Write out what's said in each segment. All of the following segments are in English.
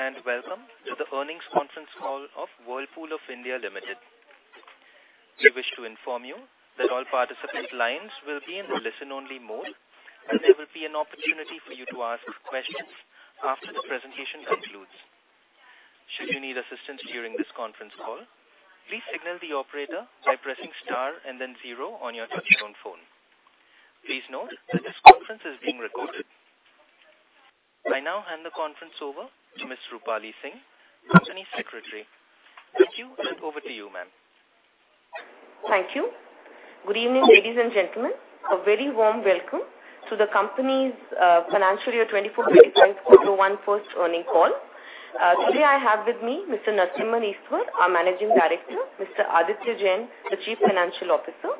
Ladies and gentlemen, good day, and welcome to the Earnings Conference Call of Whirlpool of India Limited. We wish to inform you that all participant lines will be in listen-only mode, and there will be an opportunity for you to ask questions after the presentation concludes. Should you need assistance during this conference call, please signal the operator by pressing star and then zero on your touch-tone phone. Please note that this conference is being recorded. I now hand the conference over to Ms. Roopali Singh, Company Secretary. Thank you, and over to you, ma'am. Thank you. Good evening, ladies and gentlemen. A very warm welcome to the company's financial year 2024-2025 quarter one first earning call. Today I have with me Mr. Narasimhan Eswar, our Managing Director, Mr. Aditya Jain, the Chief Financial Officer.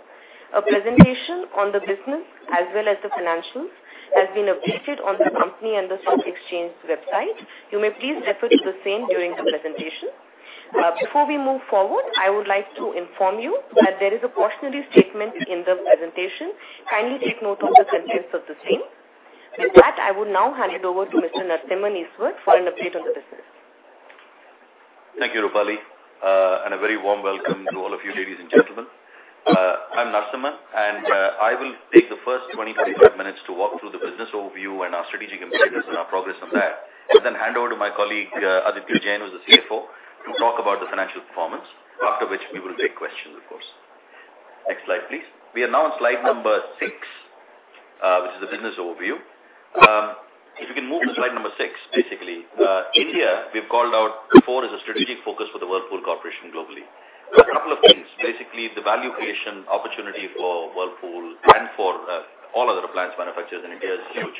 A presentation on the business as well as the financials has been updated on the company and the stock exchange website. You may please refer to the same during the presentation. Before we move forward, I would like to inform you that there is a cautionary statement in the presentation. Kindly take note of the contents of the same. With that, I would now hand it over to Mr. Narasimhan Eswar for an update on the business. Thank you, Roopali, and a very warm welcome to all of you, ladies and gentlemen. I'm Narasimhan, and I will take the first 20-25 minutes to walk through the business overview and our strategic initiatives and our progress on that, and then hand over to my colleague, Aditya Jain, who's the CFO, to talk about the financial performance, after which we will take questions, of course. Next slide, please. We are now on slide number six, which is a business overview. If you can move to slide number six, basically, India, we've called out before, is a strategic focus for the Whirlpool Corporation globally. A couple of things. Basically, the value creation opportunity for Whirlpool and for all other appliance manufacturers in India is huge.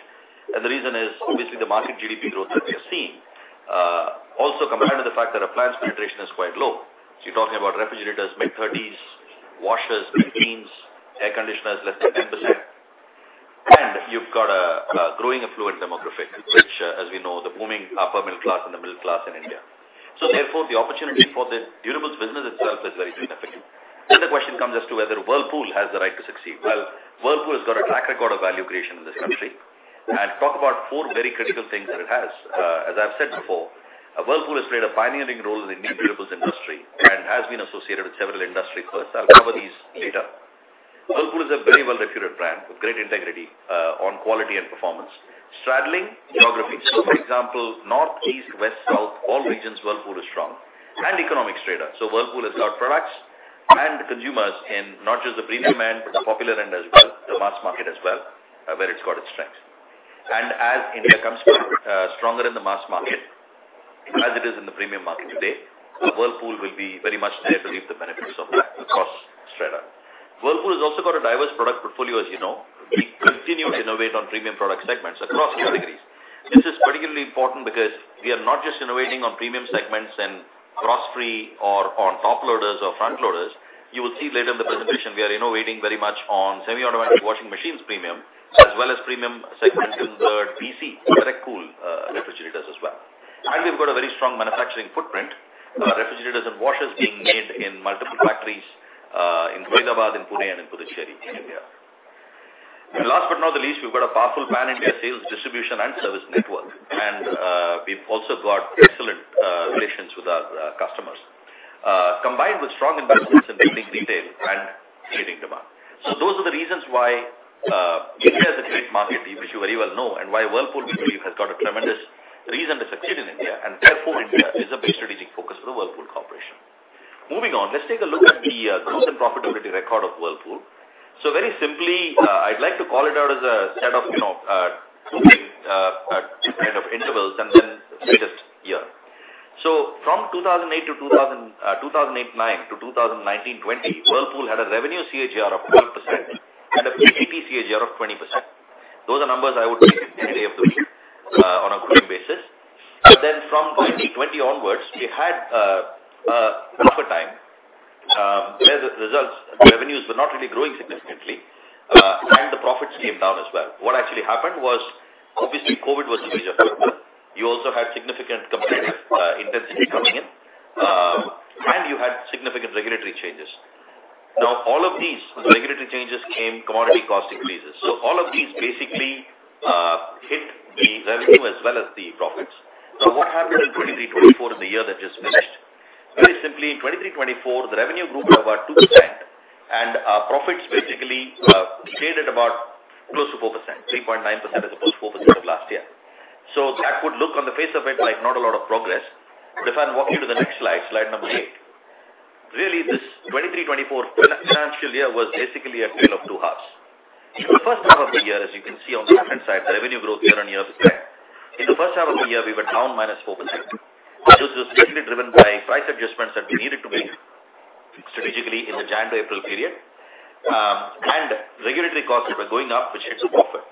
The reason is obviously the market GDP growth that we are seeing, also compared to the fact that appliance penetration is quite low. You're talking about refrigerators, mid-30s%, washers, mid-teens%, air conditioners, less than 10%. You've got a growing affluent demographic, which, as we know, the booming upper middle class and the middle class in India. Therefore, the opportunity for the durables business itself is very significant. The question comes as to whether Whirlpool has the right to succeed. Well, Whirlpool has got a track record of value creation in this country, and talk about four very critical things that it has. As I've said before, Whirlpool has played a pioneering role in the Indian durables industry and has been associated with several industry first. I'll cover these later. Whirlpool is a very well-reputed brand with great integrity, on quality and performance, straddling geographies. So for example, North, East, West, South, all regions, Whirlpool is strong and economic strata. So Whirlpool has got products and consumers in not just the premium end, but the popular end as well, the mass market as well, where it's got its strength. And as India becomes, stronger in the mass market, as it is in the premium market today, Whirlpool will be very much there to reap the benefits of that across straight up. Whirlpool has also got a diverse product portfolio, as you know. We continue to innovate on premium product segments across categories. This is particularly important because we are not just innovating on premium segments and frost-free or on top loaders or front loaders. You will see later in the presentation, we are innovating very much on semi-automatic washing machines premium, as well as premium segments in the DC, direct cool, refrigerators as well. And we've got a very strong manufacturing footprint, refrigerators and washers being made in multiple factories, in Hyderabad, in Pune, and in Puducherry, in India. And last but not the least, we've got a powerful pan-India sales, distribution, and service network, and we've also got excellent relations with our customers, combined with strong investments in building detail and creating demand. So those are the reasons why India is a great market, which you very well know, and why Whirlpool, we believe, has got a tremendous reason to succeed in India, and therefore, India is a big strategic focus for the Whirlpool Corporation. Moving on, let's take a look at the growth and profitability record of Whirlpool. So very simply, I'd like to call it out as a set of, you know, moving kind of intervals and then latest year. So from 2008-2009 to 2019-2020, Whirlpool had a revenue CAGR of 12% and a PAT CAGR of 20%. Those are numbers I would take any day of the week on a growing basis. But then from 2020 onwards, we had a tougher time, where the results, the revenues were not really growing significantly, and the profits came down as well. What actually happened was, obviously, COVID was the major factor. You also had significant competitive intensity coming in, and you had significant regulatory changes. Now, all of these regulatory changes came commodity cost increases. So all of these basically hit the revenue as well as the profits. Now, what happened in 2023-2024 is the year that just finished? Very simply, in 2023-2024, the revenue grew by about 2%, and our profits basically stayed at about close to 4%, 3.9% as opposed to 4% of last year. So that would look on the face of it like not a lot of progress. But if I walk you to the next slide, slide number eight. Really, this 2023-2024 financial year was basically a tale of two halves. In the first half of the year, as you can see on the left-hand side, the revenue growth year-on-year was there. In the first half of the year, we were down -4%. This was strictly driven by price adjustments that we needed to make strategically in the January, April period, and regulatory costs were going up, which hit the profit.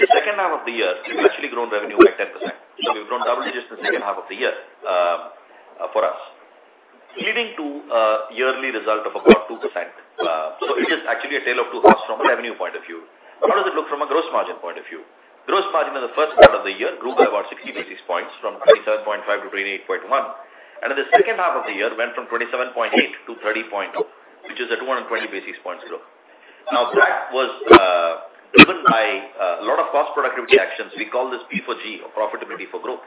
The second half of the year, we've actually grown revenue by 10%. So we've grown double digits in the second half of the year, for us, leading to a yearly result of about 2%. So it is actually a tale of two halves from a revenue point of view. How does it look from a gross margin point of view? Gross margin in the first part of the year grew by about 60 basis points, from 27.5 to 28.1, and in the second half of the year, went from 27.8 to 30.0, which is a 220 basis points growth. Now, that was driven by a lot of cost productivity actions. We call this P4G, or profitability for growth,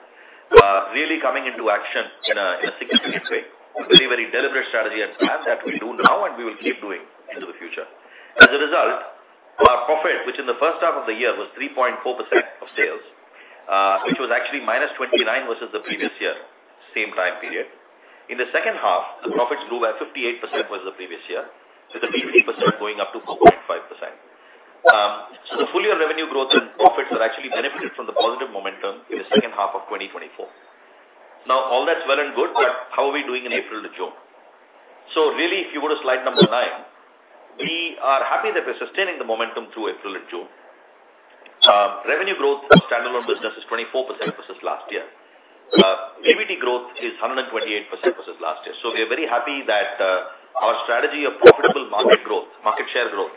really coming into action in a significant way. A very, very deliberate strategy and plan that we do now, and we will keep doing into the future. As a result, our profit, which in the first half of the year was 3.4% of sales, which was actually -29 versus the previous year, same time period. In the second half, the profits grew by 58% versus the previous year, so the percent going up to 4.5%. So the full year revenue growth and profits are actually benefited from the positive momentum in the second half of 2024. Now, all that's well and good, but how are we doing in April to June? So really, if you go to slide number nine, we are happy that we're sustaining the momentum through April and June. Revenue growth for standalone business is 24% versus last year. PBT growth is 128% versus last year. So we are very happy that our strategy of profitable market growth, market share growth,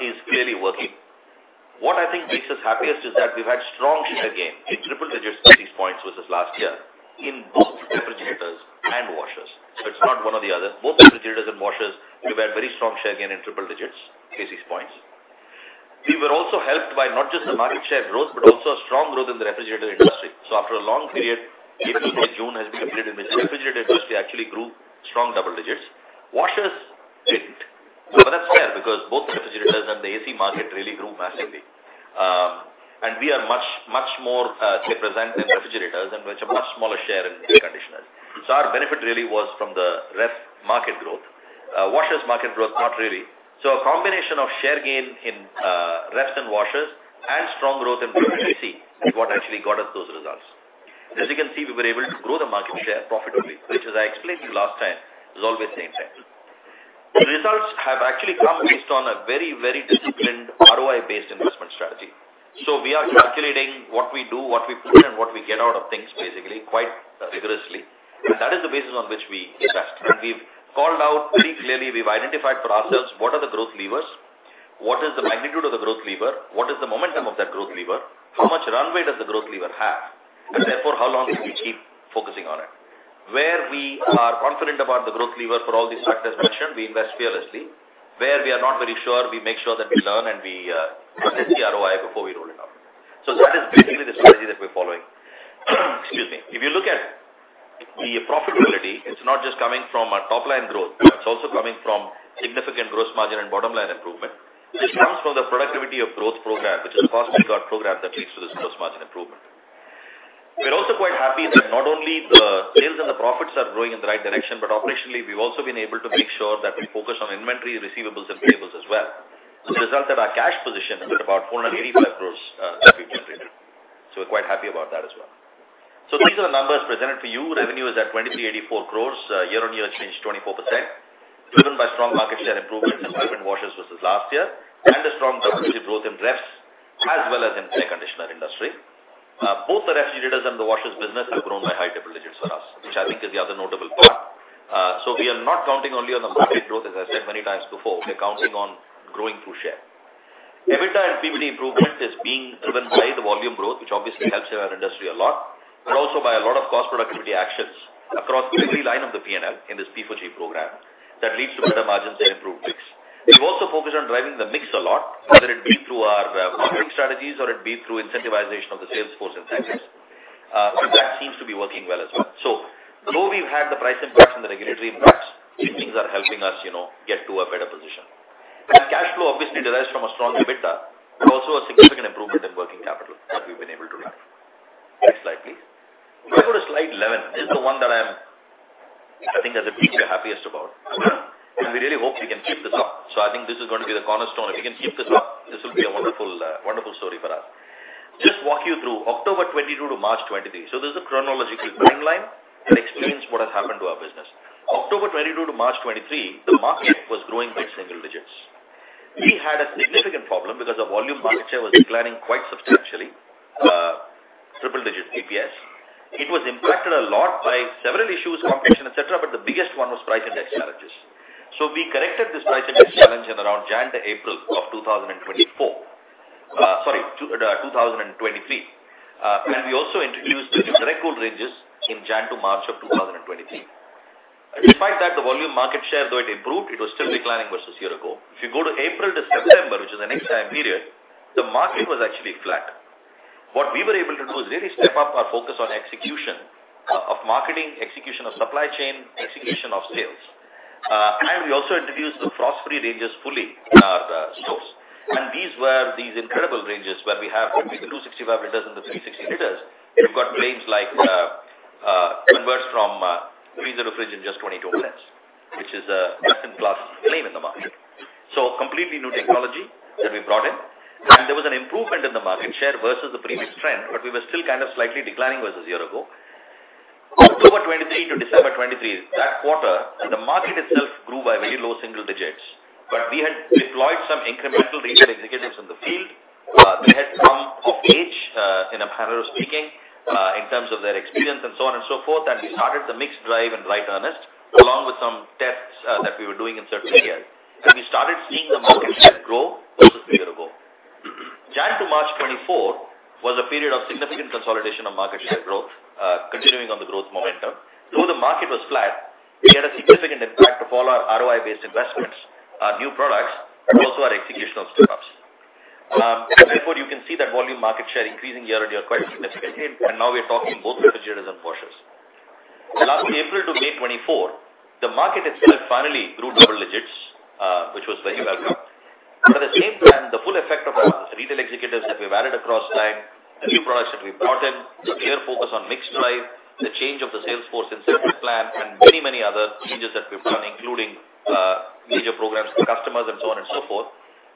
is clearly working. What I think makes us happiest is that we've had strong share gain in triple digits, 30 points versus last year in both refrigerators and washers. So it's not one or the other. Both refrigerators and washers, we've had very strong share gain in triple digits, basis points. We were also helped by not just the market share growth, but also a strong growth in the refrigerator industry. So after a long period, April to June has been a period in which the refrigerator industry actually grew strong double digits. Washers didn't. So that's fair, because both refrigerators and the AC market really grew massively. We are much, much more represented in refrigerators and we have a much smaller share in air conditioners. So our benefit really was from the ref market growth. Washers market growth, not really. So a combination of share gain in refs and washers and strong growth in AC is what actually got us those results. As you can see, we were able to grow the market share profitably, which, as I explained to you last time, is always the same time. The results have actually come based on a very, very disciplined ROI-based investment strategy. So we are calculating what we do, what we put, and what we get out of things, basically, quite rigorously. And that is the basis on which we invest. We've called out very clearly, we've identified for ourselves what are the growth levers? What is the magnitude of the growth lever? What is the momentum of that growth lever? How much runway does the growth lever have? And therefore, how long should we keep focusing on it? Where we are confident about the growth lever for all these factors mentioned, we invest fearlessly. Where we are not very sure, we make sure that we learn and we assess the ROI before we roll it out. So that is basically the strategy that we're following. Excuse me. If you look at the profitability, it's not just coming from our top line growth, but it's also coming from significant gross margin and bottom line improvement. This comes from the productivity of growth program, which is a cost program that leads to this gross margin improvement. We're also quite happy that not only the sales and the profits are growing in the right direction, but operationally, we've also been able to make sure that we focus on inventory, receivables, and payables as well. As a result, our cash position is at about 485 crore that we generated. So we're quite happy about that as well. So these are the numbers presented for you. Revenue is at 2,384 crores, year-on-year change, 24%, driven by strong market share improvements in washing machines versus last year, and a strong double-digit growth in refs, as well as in air conditioner industry. Both the refrigerators and the washers business have grown by high double digits for us, which I think is the other notable part. So we are not counting only on the market growth, as I said many times before, we're counting on growing through share. EBITDA and PBT improvement is being driven by the volume growth, which obviously helps our industry a lot, but also by a lot of cost productivity actions across every line of the PNL in this P4G program that leads to better margins and improved mix. We've also focused on driving the mix a lot, whether it be through our marketing strategies or it be through incentivization of the sales force and things. That seems to be working well as well. So though we've had the price impacts and the regulatory impacts, these things are helping us, you know, get to a better position. And cash flow obviously derives from a strong EBITDA, but also a significant improvement in working capital that we've been able to drive. Next slide, please. If you go to slide 11, this is the one that I think that's the piece we're happiest about, and we really hope we can keep this up. So I think this is going to be the cornerstone. If we can keep this up, this will be a wonderful wonderful story for us. Just walk you through October 2022 to March 2023. This is a chronological timeline that explains what has happened to our business. October 2022 to March 2023, the market was growing by single digits. We had a significant problem because the volume market share was declining quite substantially, triple-digit basis points. It was impacted a lot by several issues, competition, et cetera, but the biggest one was price index challenges. We corrected this price index challenge in around January to April of 2024, sorry, 2023. And we also introduced the different cold ranges in January to March of 2023. Despite that, the volume market share, though it improved, it was still declining versus a year ago. If you go to April to September, which is the next time period, the market was actually flat. What we were able to do is really step up our focus on execution of, of marketing, execution of supply chain, execution of sales. And we also introduced the frost-free ranges fully in our stores. And these were these incredible ranges, where we have between the 265 liters and the 360 liters. We've got claims like, converts from 30 fridge in just 22 minutes, which is a best-in-class claim in the market. So completely new technology that we brought in. And there was an improvement in the market share versus the previous trend, but we were still kind of slightly declining versus a year ago. October 2023 to December 2023, that quarter, and the market itself grew by very low single digits. But we had deployed some incremental regional executives in the field. They had come of age, in a manner of speaking, in terms of their experience and so on and so forth, and we started the mix drive in right earnest, along with some tests, that we were doing in certain areas. So we started seeing the market share grow. January to March 2024, was a period of significant consolidation of market share growth, continuing on the growth momentum. Though the market was flat, we had a significant impact of all our ROI-based investments, our new products, and also our execution of stick ups. Therefore, you can see that volume market share increasing year-on-year, quite significantly, and now we are talking both refrigerators and washers. Last April to May 2024, the market itself finally grew double digits, which was very welcome. But at the same time, the full effect of our retail executives that we've added across time, the new products that we've brought in, the clear focus on mix drive, the change of the sales force incentive plan, and many, many other changes that we've done, including, major programs for customers and so on and so forth,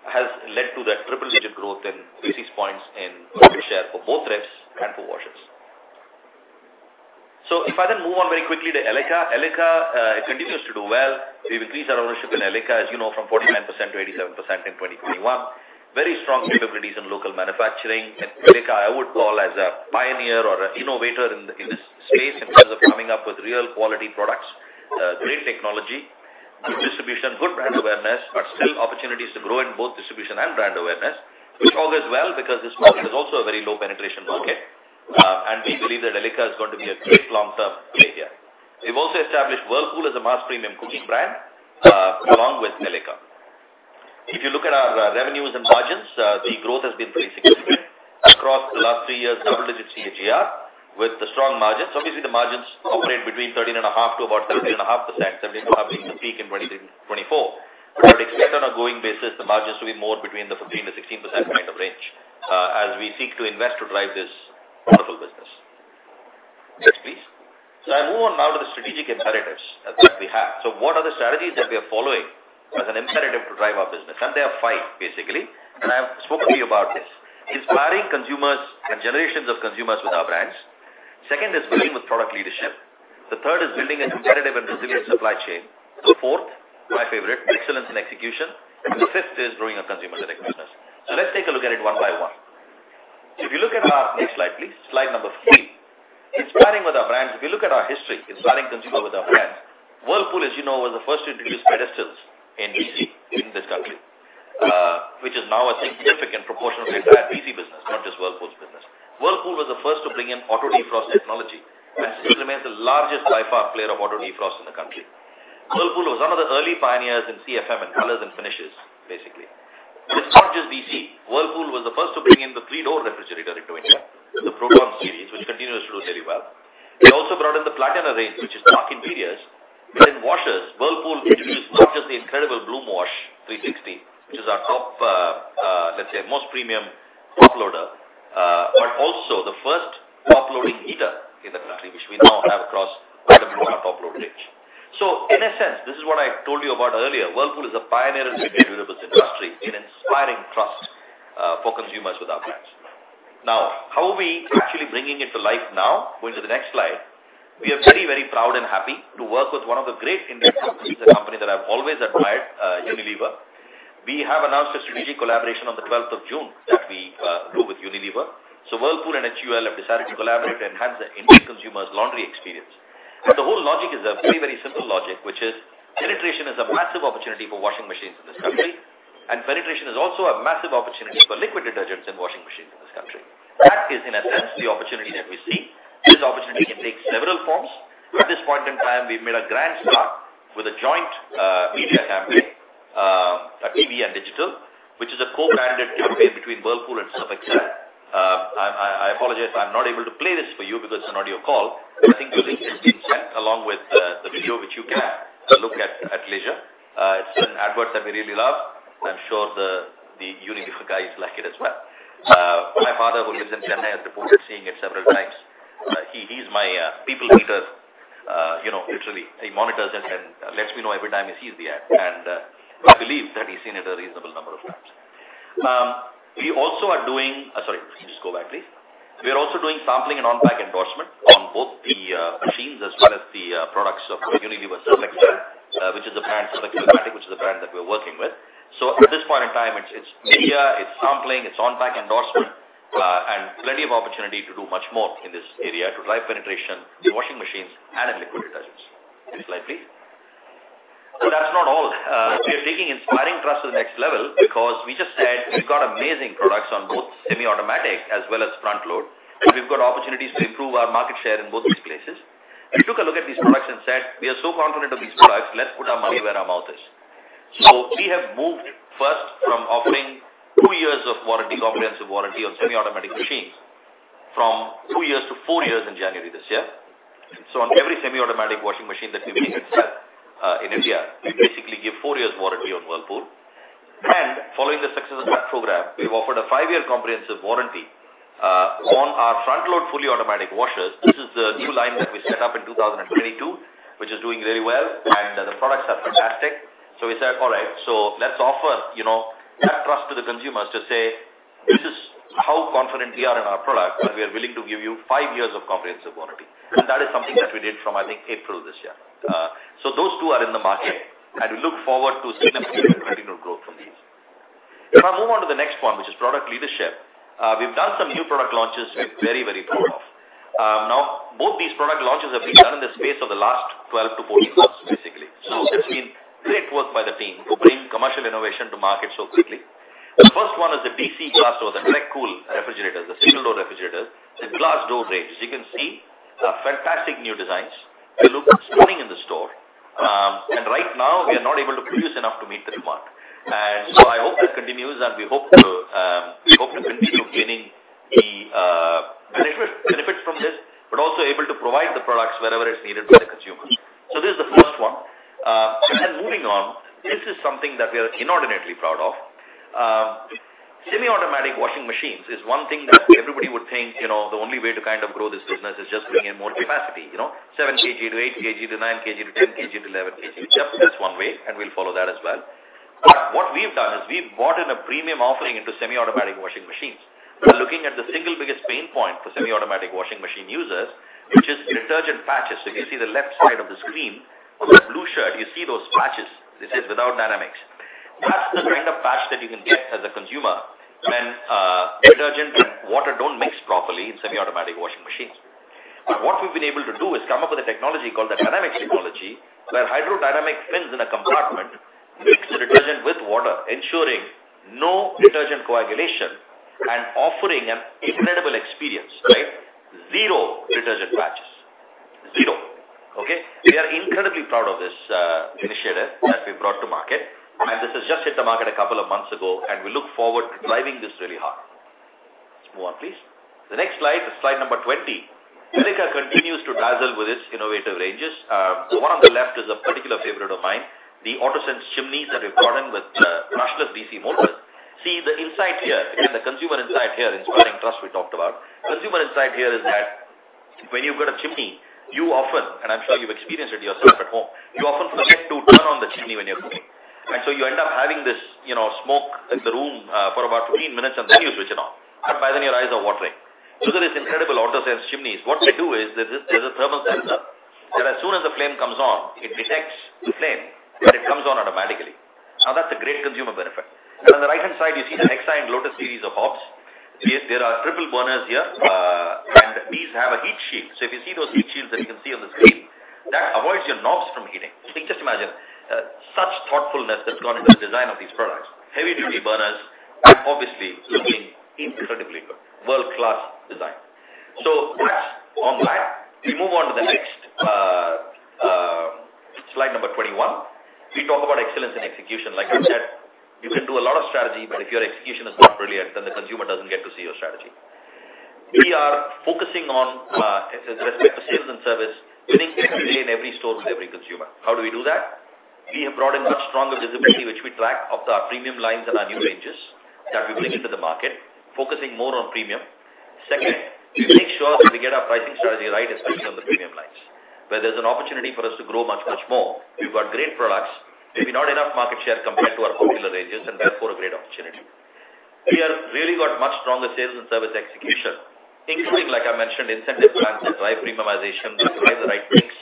has led to that triple-digit growth in basis points in market share for both refs and for washers. So if I then move on very quickly to Elica. Elica continues to do well. We've increased our ownership in Elica, as you know, from 49% to 87% in 2021. Very strong capabilities in local manufacturing. Elica, I would call as a pioneer or an innovator in, in this space, in terms of coming up with real quality products, great technology, good distribution, good brand awareness, but still opportunities to grow in both distribution and brand awareness, which augurs well, because this market is also a very low penetration market. We believe that Elica is going to be a great long-term play here. We've also established Whirlpool as a mass premium cooking brand, along with Elica. If you look at our revenues and margins, the growth has been very significant. Across the last three years, double-digit CAGR, with the strong margins. Obviously, the margins operate between 13.5-17.5%, 17.5 being the peak in 2024. But expect on a going basis, the margins to be more between the 15%-16% kind of range, as we seek to invest to drive this wonderful business. Next, please. So I move on now to the strategic imperatives that we have. So what are the strategies that we are following as an imperative to drive our business? And there are five, basically, and I have spoken to you about this. Inspiring consumers and generations of consumers with our brands. Second is building with product leadership. The third is building a competitive and resilient supply chain. The fourth, my favorite, excellence in execution, and the fifth is growing our consumer lending business. So let's take a look at it one by one. If you look at our next slide, please, slide number 3. Inspiring with our brands. If you look at our history, inspiring consumers with our brands, Whirlpool, as you know, was the first to introduce pedestals in DC, in this country, which is now a significant proportion of the entire DC business, not just Whirlpool's business. Whirlpool was the first to bring in auto defrost technology, and still remains the largest by far, player of auto defrost in the country. Whirlpool was one of the early pioneers in CMF in colors and finishes, basically. It's not just DC, Whirlpool was the first to bring in the three-door refrigerator into India, the Proton series, which continues to do very well. They also brought in the Platina range, which is dark interiors. But in washers, Whirlpool introduced not just the incredible BloomWash 360, which is our top, let's say, most premium top loader, but also the first top loading heater in the country, which we now have across our top load range. So in a sense, this is what I told you about earlier. Whirlpool is a pioneer in the durables industry, in inspiring trust, for consumers with our brands. Now, how are we actually bringing it to life now? Go into the next slide. We are very, very proud and happy to work with one of the great Indian companies, a company that I've always admired, Unilever. We have announced a strategic collaboration on the twelfth of June, that we, do with Unilever. So Whirlpool and HUL have decided to collaborate to enhance the Indian consumers' laundry experience. The whole logic is a very, very simple logic, which is, penetration is a massive opportunity for washing machines in this country, and penetration is also a massive opportunity for liquid detergents and washing machines in this country. That is, in a sense, the opportunity that we see. This opportunity can take several forms. At this point in time, we've made a grand start with a joint media campaign, a TV and digital, which is a co-branded campaign between Whirlpool and Surf Excel. I apologize, I'm not able to play this for you because it's an audio call. I think the link has been sent along with the video, which you can look at at leisure. It's an advert that we really love. I'm sure the Unilever guys like it as well. My father, who lives in Chennai, has reported seeing it several times. He's my people meter, you know, literally. He monitors and lets me know every time he sees the ad, and I believe that he's seen it a reasonable number of times. We also are doing... Sorry, just go back, please. We are also doing sampling and on-pack endorsement on both the machines as well as the products of Unilever Surf Excel, which is a brand, Surf Excel Matic, which is a brand that we're working with. So at this point in time, it's media, it's sampling, it's on-pack endorsement, and plenty of opportunity to do much more in this area to drive penetration in washing machines and in liquid detergents. Next slide, please. So that's not all. We are taking inspiring trust to the next level because we just said we've got amazing products on both semi-automatic as well as front load, and we've got opportunities to improve our market share in both these places. We took a look at these products and said, "We are so confident of these products, let's put our money where our mouth is." So we have moved first from offering 2 years of warranty, comprehensive warranty on semi-automatic machines, from 2 years to 4 years in January this year. So on every semi-automatic washing machine that we sell, in India, we basically give 4 years warranty on Whirlpool. And following the success of that program, we've offered a 5-year comprehensive warranty, on our front load, fully automatic washers. This is the new line that we set up in 2022, which is doing really well, and the products are fantastic. So we said: All right, so let's offer, you know, that trust to the consumers to say, "This is how confident we are in our product, that we are willing to give you five years of comprehensive warranty." And that is something that we did from, I think, April this year. So those two are in the market, and we look forward to seeing significant revenue growth from these. Can I move on to the next point, which is product leadership? We've done some new product launches we're very, very proud of. Now both these product launches have been done in the space of the last 12-14 months, basically. So that's been great work by the team to bring commercial innovation to market so quickly. The first one is the DC Glass Door, the direct cool refrigerator, the single door refrigerator, the Glass Door range. As you can see, fantastic new designs. They look stunning in the store, and right now we are not able to produce enough to meet the demand. And so I hope that continues, and we hope to, we hope to continue gaining the, benefit, benefits from this, but also able to provide the products wherever it's needed by the consumer. So this is the first one. And moving on, this is something that we are inordinately proud of. Semi-automatic washing machines is one thing that everybody would think, you know, the only way to kind of grow this business is just bringing in more capacity, you know, 7 kg to 8 kg, to 9 kg, to 10 kg, to 11 kg. Just this one way, and we'll follow that as well. But what we've done is we've brought in a premium offering into semi-automatic washing machines. We're looking at the single biggest pain point for semi-automatic washing machine users, which is detergent patches. So you can see the left side of the screen, on that blue shirt, you see those patches. This is without Dynamix. That's the kind of patch that you can get as a consumer when detergent and water don't mix properly in semi-automatic washing machines. But what we've been able to do is come up with a technology called the Dynamix technology, where hydrodynamic fins in a compartment mix the detergent with water, ensuring no detergent coagulation and offering an incredible experience, right? Zero detergent patches. Zero, okay? We are incredibly proud of this, initiative that we brought to market, and this has just hit the market a couple of months ago, and we look forward to driving this really hard. Move on, please. The next slide, slide number 20. Elica continues to dazzle with its innovative ranges. The one on the left is a particular favorite of mine, the Auto Sense chimneys that we've brought in with, brushless DC motors. See the insight here, again, the consumer insight here, inspiring trust, we talked about. Consumer insight here is that when you've got a chimney, you often, and I'm sure you've experienced it yourself at home, you often forget to turn on the chimney when you're cooking, and so you end up having this, you know, smoke in the room, for about 15 minutes, and then you switch it on, and by then your eyes are watering. So there is incredible Auto Sense chimneys. What they do is there's a, there's a thermal sensor, that as soon as the flame comes on, it detects the flame, and it comes on automatically. Now, that's a great consumer benefit. And on the right-hand side, you see the IX Series and Lotus Series of hobs. There, there are triple burners here, and these have a heat shield. So if you see those heat shields that you can see on the screen, that avoids your knobs from heating. Just imagine, such thoughtfulness that's gone into the design of these products. Heavy-duty burners and obviously looking incredibly good. World-class design. So on that, we move on to the next, slide number 21. We talk about excellence in execution. Like I said, you can do a lot of strategy, but if your execution is not brilliant, then the consumer doesn't get to see your strategy. We are focusing on, with respect to sales and service, winning every day in every store with every consumer. How do we do that? We have brought in much stronger visibility, which we track up our premium lines and our new ranges that we bring into the market, focusing more on premium. Second, we make sure that we get our pricing strategy right, especially on the premium lines, where there's an opportunity for us to grow much, much more. We've got great products, maybe not enough market share compared to our popular ranges, and therefore, a great opportunity. We have really got much stronger sales and service execution, including, like I mentioned, incentive plans to drive premiumization, to drive the right things,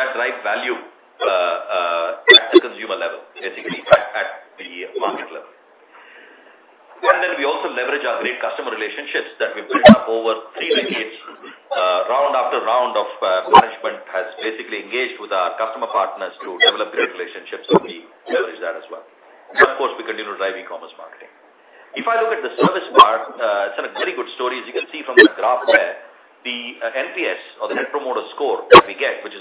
that drive value, at the consumer level, basically at the market level. And then we also leverage our great customer relationships that we've built up over three decades. Round after round of, management has basically engaged with our customer partners to develop great relationships, so we leverage that as well. And of course, we continue to drive e-commerce marketing. If I look at the service part, it's a very good story. As you can see from the graph there, the NPS or the Net Promoter Score that we get, which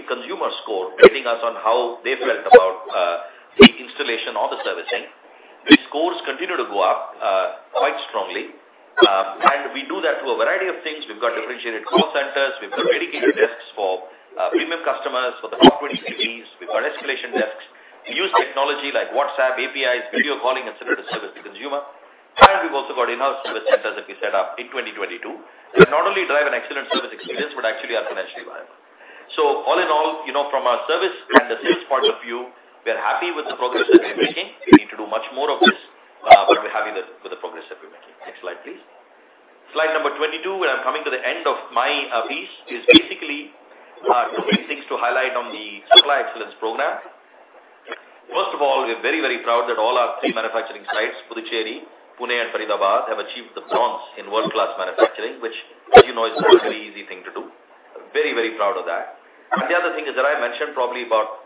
is basically consumer score, rating us on how they felt about the installation or the servicing. The scores continue to go up quite strongly. We do that through a variety of things. We've got differentiated call centers, we've got dedicated desks for premium customers, for the top 20 cities. We've got escalation desks. We use technology like WhatsApp, APIs, video calling, et cetera, to service the consumer. We've also got in-house service centers that we set up in 2022, that not only drive an excellent service experience, but actually are financially viable. So all in all, you know, from a service and a sales point of view, we are happy with the progress that we're making. We need to do much more of this, but we're happy with the progress that we're making. Next slide, please. Slide number 22, and I'm coming to the end of my piece, is basically two main things to highlight on the Supplier Excellence program. First of all, we're very, very proud that all our three manufacturing sites, Puducherry, Pune, and Faridabad, have achieved the bronze in world-class manufacturing, which, as you know, is not an easy thing to do. Very, very proud of that. And the other thing is that I mentioned probably about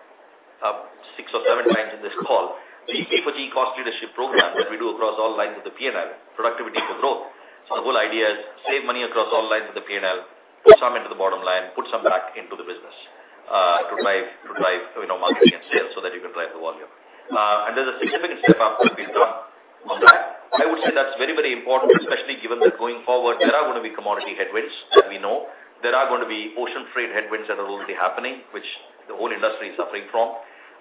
six or seven times in this call, the P4G cost leadership program that we do across all lines of the P&L, productivity for growth. So the whole idea is save money across all lines of the P&L, put some into the bottom line, put some back into the business, to drive you know, marketing and sales so that you can drive the volume. And there's a significant step up that we've done on that. I would say that's very, very important, especially given that going forward, there are going to be commodity headwinds, as we know. There are going to be ocean freight headwinds that are already happening, which the whole industry is suffering from.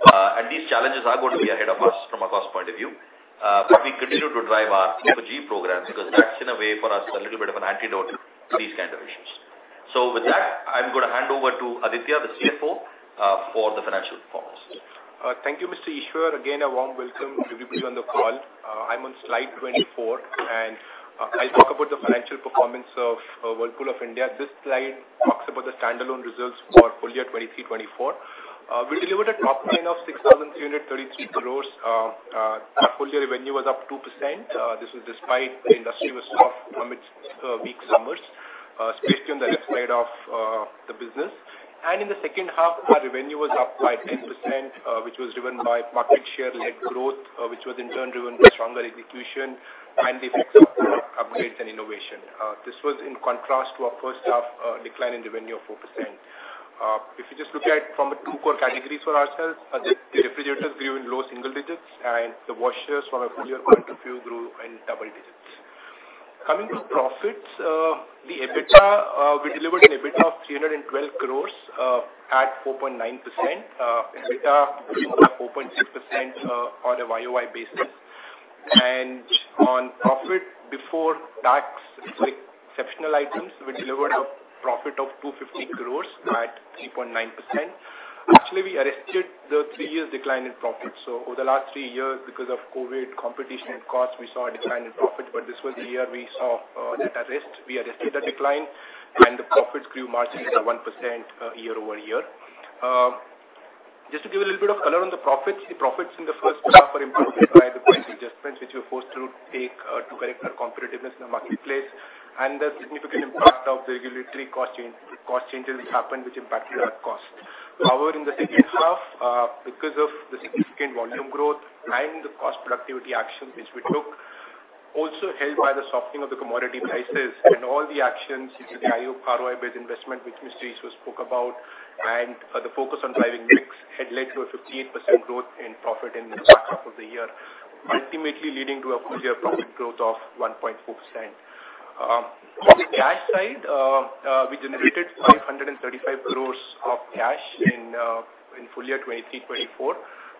And these challenges are going to be ahead of us from a cost point of view. But we continue to drive our P4G program, because that's in a way for us, a little bit of an antidote to these kind of issues. With that, I'm going to hand over to Aditya, the CFO, for the financial performance. Thank you, Mr. Eswar. Again, a warm welcome to everybody on the call. I'm on slide 24, and I'll talk about the financial performance of Whirlpool of India. This slide talks about standalone results for full year 2023-2024. We delivered a top line of 6,333 crore. Our full year revenue was up 2%. This is despite the industry was soft amidst weak summers, especially on the left side of the business. In the second half, our revenue was up by 10%, which was driven by market share-led growth, which was in turn driven by stronger execution and the mix of upgrades and innovation. This was in contrast to our first half decline in revenue of 4%. If you just look at from a two core categories for ourselves, the refrigerators grew in low single digits, and the washers from a full year point of view, grew in double digits. Coming to profits, the EBITDA, we delivered an EBITDA of 312 crore at 4.9%. EBITDA 4.6% on a YoY basis. And on profit before tax, like, exceptional items, we delivered a profit of 250 crore at 3.9%. Actually, we arrested the three years decline in profits. So over the last three years, because of COVID, competition and costs, we saw a decline in profit, but this was the year we saw that arrest. We arrested that decline, and the profits grew marginally by 1%, year-over-year. Just to give a little bit of color on the profits, the profits in the first half are improved by the price adjustments, which we were forced to take, to correct our competitiveness in the marketplace, and the significant impact of the regulatory cost change, cost changes which happened, which impacted our cost. However, in the second half, because of the significant volume growth and the cost productivity action which we took, also helped by the softening of the commodity prices and all the actions into the high ROI-based investment, which Mr. Eswar spoke about, and the focus on driving mix had led to a 58% growth in profit in the second half of the year, ultimately leading to a full year profit growth of 1.4%. On the cash side, we generated 535 crore of cash in full year 2023-2024.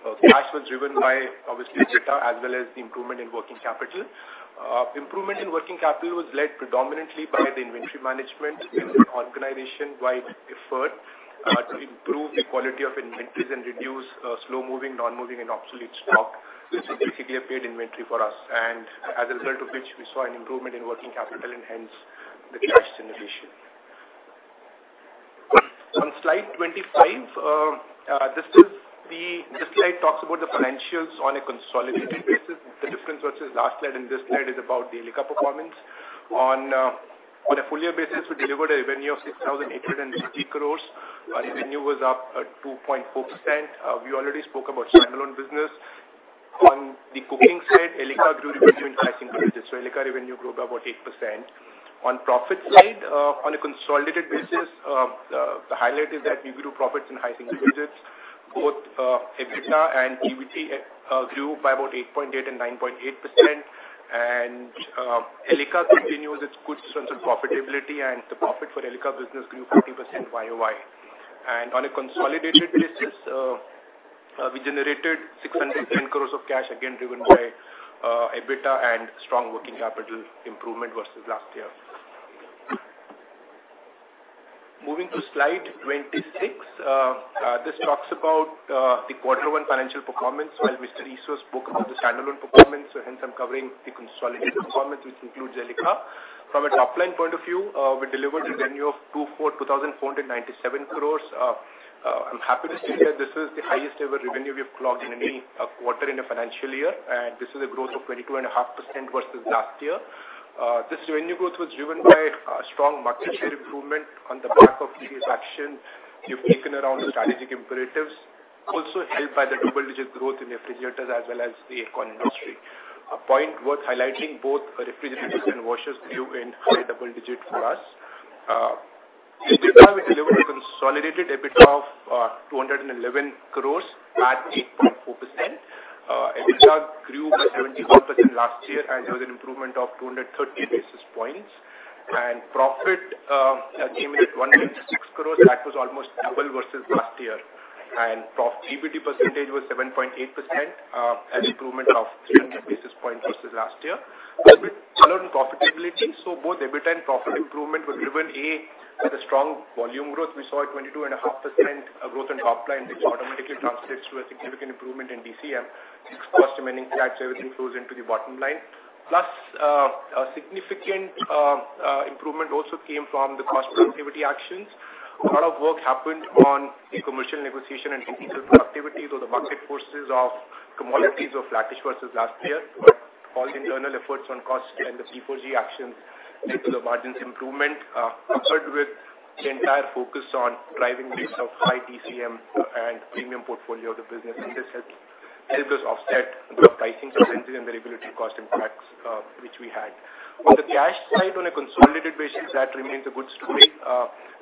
Cash was driven by obviously EBITDA, as well as the improvement in working capital. Improvement in working capital was led predominantly by the inventory management and the organization-wide effort to improve the quality of inventories and reduce slow-moving, non-moving and obsolete stock, which significantly reduced inventory for us, and as a result of which, we saw an improvement in working capital and hence the cash generation. On slide 25, this is the—this slide talks about the financials on a consolidated basis. The difference versus last slide and this slide is about the Elica performance. On a full year basis, we delivered a revenue of 6,860 crore. Our revenue was up 2.4%. We already spoke about standalone business. On the cooking side, Elica grew revenue in high single digits, so Elica revenue grew by about 8%. On profit side, on a consolidated basis, the highlight is that we grew profits in high single digits. Both EBITDA and EBT grew by about 8.8% and 9.8%. Elica continues its good sense of profitability, and the profit for Elica business grew 40% YoY. On a consolidated basis, we generated 610 crores of cash, again, driven by EBITDA and strong working capital improvement versus last year. Moving to slide 26, this talks about the quarter one financial performance, while Mr. Eswar spoke about the standalone performance, so hence I'm covering the consolidated performance, which includes Elica. From a top-line point of view, we delivered a revenue of 2,497 crore. I'm happy to say that this is the highest ever revenue we've clocked in any quarter in a financial year, and this is a growth of 22.5% versus last year. This revenue growth was driven by strong market share improvement on the back of previous action we've taken around strategic imperatives, also helped by the double-digit growth in refrigerators as well as the aircon industry. A point worth highlighting, both refrigerators and washers grew in high double digits for us. EBITDA, we delivered a consolidated EBITDA of 211 crore at 8.4%. EBITDA grew by 71% last year, and there was an improvement of 230 basis points. Profit came in at 1.6 crore. That was almost double versus last year. PBT percentage was 7.8%, an improvement of 300 basis points versus last year. On color and profitability, both EBITDA and profit improvement was driven, A, by the strong volume growth. We saw a 22.5% growth on top line, which automatically translates to a significant improvement in DCM. Cost remaining tracks, everything flows into the bottom line. Plus, a significant improvement also came from the cost productivity actions. A lot of work happened on the commercial negotiation and activities or the market forces of commodities of flattish versus last year. But all internal efforts on cost and the P4G actions led to the margins improvement, coupled with the entire focus on driving mix of high DCM and premium portfolio of the business. And this helped us offset the pricing and the regulatory cost impacts, which we had. On the cash side, on a consolidated basis, that remains a good story.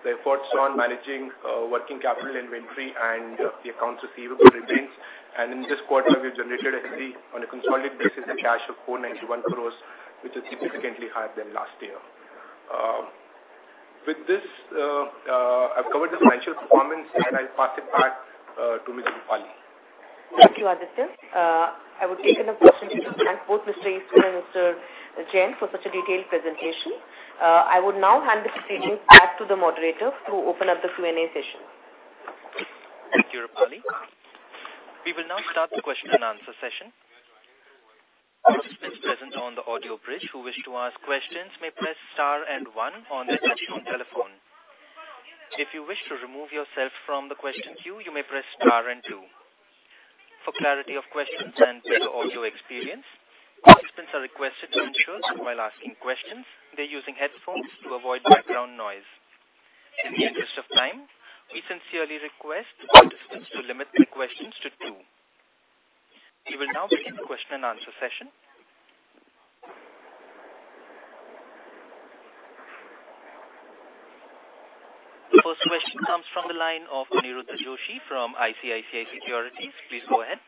The efforts on managing working capital inventory and the accounts receivable remains. And in this quarter, we've generated, actually, on a consolidated basis, a cash of 491 crores, which is significantly higher than last year. With this, I've covered the financial performance, and I'll pass it back to Ms. Roopali. Thank you, Aditya. I would take an opportunity to thank both Mr. Eswar and Mr. Jain for such a detailed presentation. I would now hand this meeting back to the moderator to open up the Q&A session. Thank you, Roopali. We will now start the question and answer session. Present on the audio bridge, who wish to ask questions may press star and one on their touchtone telephone. If you wish to remove yourself from the question queue, you may press star and two. For clarity of questions and better audio experience, participants are requested to ensure while asking questions, they're using headphones to avoid background noise. In the interest of time, we sincerely request participants to limit their questions to two. We will now begin the question-and-answer session. The first question comes from the line of Aniruddha Joshi from ICICI Securities. Please go ahead.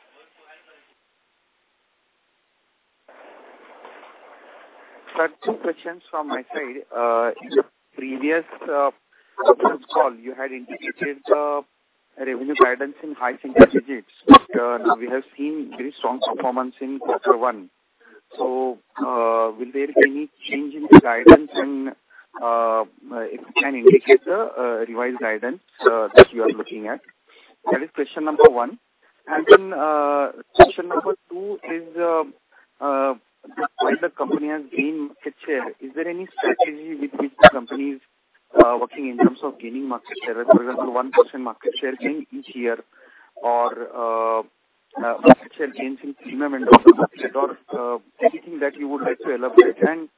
Sir, two questions from my side. In the previous call, you had indicated revenue guidance in high single digits, but now we have seen very strong performance in quarter one. So, will there be any change in the guidance, and if you can indicate the revised guidance that you are looking at? That is question number one. And then, question number two is, while the company has gained market share, is there any strategy with which the company is working in terms of gaining market share? For example, 1% market share gain each year, or market share gains in premium and, or anything that you would like to elaborate? And,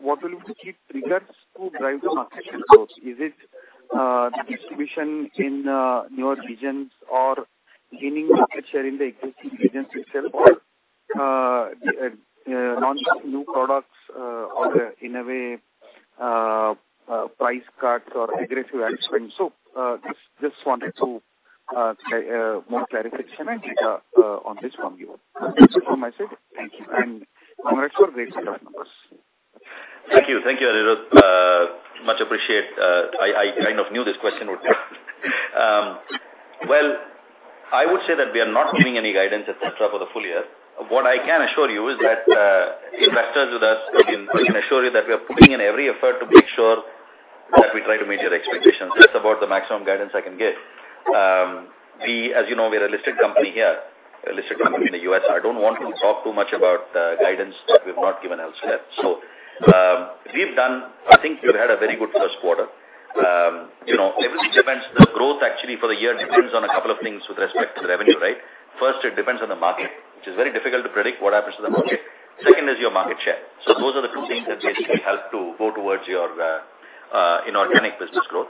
what will be the key triggers to drive the market share growth? Is it distribution in newer regions or gaining market share in the existing regions itself, or launch new products, or in a way price cuts or aggressive ad spend? So just wanted to more clarification and data on this from you. That's it from my side. Thank you. And congratulations for great set of numbers. Thank you. Thank you, Aniruddha. Much appreciate. I kind of knew this question would be. Well, I would say that we are not giving any guidance at this time for the full year. What I can assure you is that, investors with us, I can assure you that we are putting in every effort to make sure that we try to meet your expectations. That's about the maximum guidance I can give. We as you know, we're a listed company here, a listed company in the U.S. I don't want to talk too much about, guidance that we've not given elsewhere. So, we've done... I think we've had a very good first quarter. You know, everything depends. The growth actually for the year depends on a couple of things with respect to the revenue, right? First, it depends on the market, which is very difficult to predict what happens to the market. Second is your market share. So those are the two things that basically help to go towards your inorganic business growth.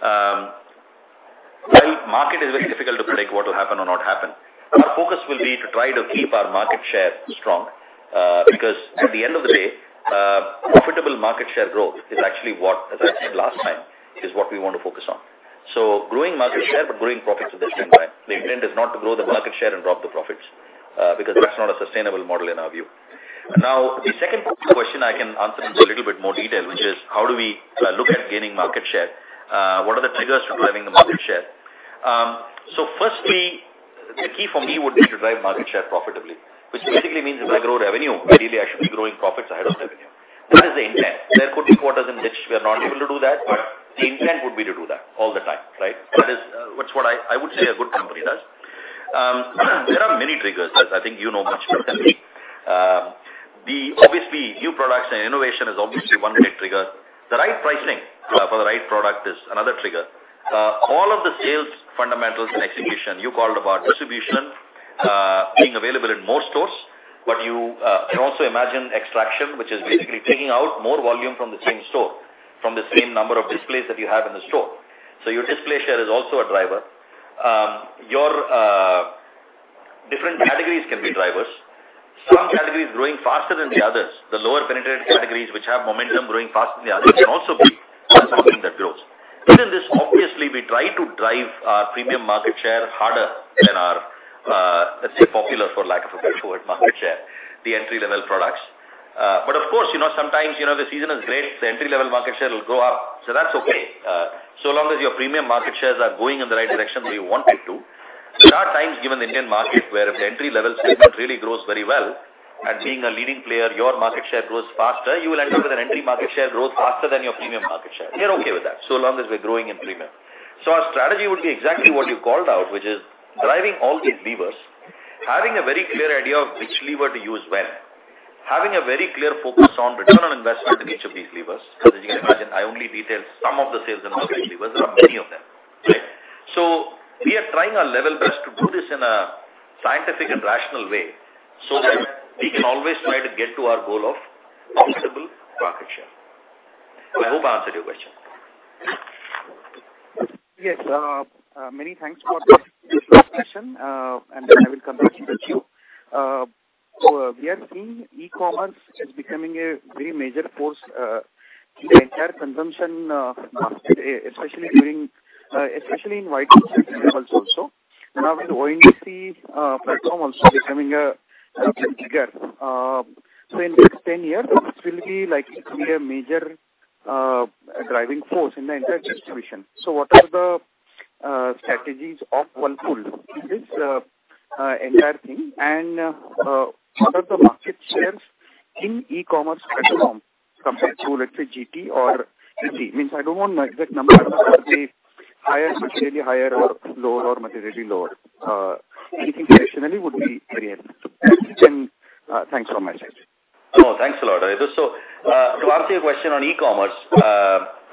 While market is very difficult to predict what will happen or not happen, our focus will be to try to keep our market share strong, because at the end of the day, profitable market share growth is actually what, as I said last time, is what we want to focus on. So growing market share, but growing profits at the same time. The intent is not to grow the market share and drop the profits, because that's not a sustainable model in our view. Now, the second question I can answer in a little bit more detail, which is how do we look at gaining market share? What are the triggers to driving the market share? So firstly, the key for me would be to drive market share profitably, which basically means if I grow revenue, ideally I should be growing profits ahead of revenue. That is the intent. There could be quarters in which we are not able to do that, but the intent would be to do that all the time, right? That is, what I would say a good company does. There are many triggers, as I think you know much better than me. The obvious, new products and innovation is obviously one big trigger. The right pricing for the right product is another trigger. All of the sales fundamentals and execution, you called about distribution, being available in more stores, but you can also imagine extraction, which is basically taking out more volume from the same store, from the same number of displays that you have in the store. So your display share is also a driver. Your different categories can be drivers. Some categories growing faster than the others. The lower penetrated categories, which have momentum growing faster than the others, can also be one something that grows. Within this, obviously, we try to drive our premium market share harder than our, let's say, popular, for lack of a better word, market share, the entry-level products. But of course, you know, sometimes, you know, the season is great, the entry-level market share will go up. So that's okay. So long as your premium market shares are going in the right direction, where you want it to. There are times, given the Indian market, where if the entry-level segment really grows very well, and being a leading player, your market share grows faster, you will end up with an entry market share growth faster than your premium market share. We're okay with that, so long as we're growing in premium. So our strategy would be exactly what you called out, which is driving all these levers, having a very clear idea of which lever to use when, having a very clear focus on return on investment in each of these levers, because as you can imagine, I only detailed some of the sales and marketing levers. There are many of them, right? We are trying our level best to do this in a scientific and rational way, so that we can always try to get to our goal of profitable market share. I hope I answered your question. Yes, many thanks for the question, and I will come back to you. So we are seeing e-commerce is becoming a very major force in the entire consumption market, especially in white goods also. Now, with ONDC platform also becoming a bigger, so in next 10 years, this will be a major driving force in the entire distribution. So what are the strategies of Godrej in this entire thing? And, what are the market shares in e-commerce platform compared to, let's say, GT or LG? Means I don't want exact numbers—higher, materially higher or lower or materially lower? Anything directionally would be very helpful. And, thanks for my time. Oh, thanks a lot, Aniruddha. So, to answer your question on e-commerce,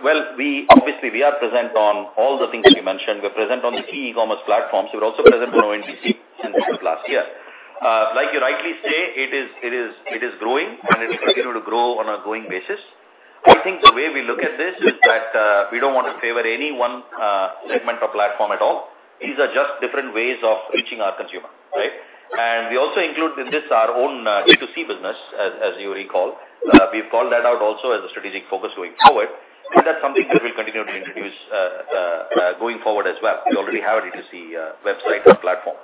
well, we obviously we are present on all the things that you mentioned. We're present on the key e-commerce platforms. We're also present on ONDC since the last year. Like you rightly say, it is, it is, it is growing, and it will continue to grow on a going basis. I think the way we look at this is that, we don't want to favor any one, segment or platform at all. These are just different ways of reaching our consumer, right? And we also include in this our own, D2C business, as, as you recall. We've called that out also as a strategic focus going forward, and that's something that we'll continue to introduce, going forward as well. We already have a D2C website or platform.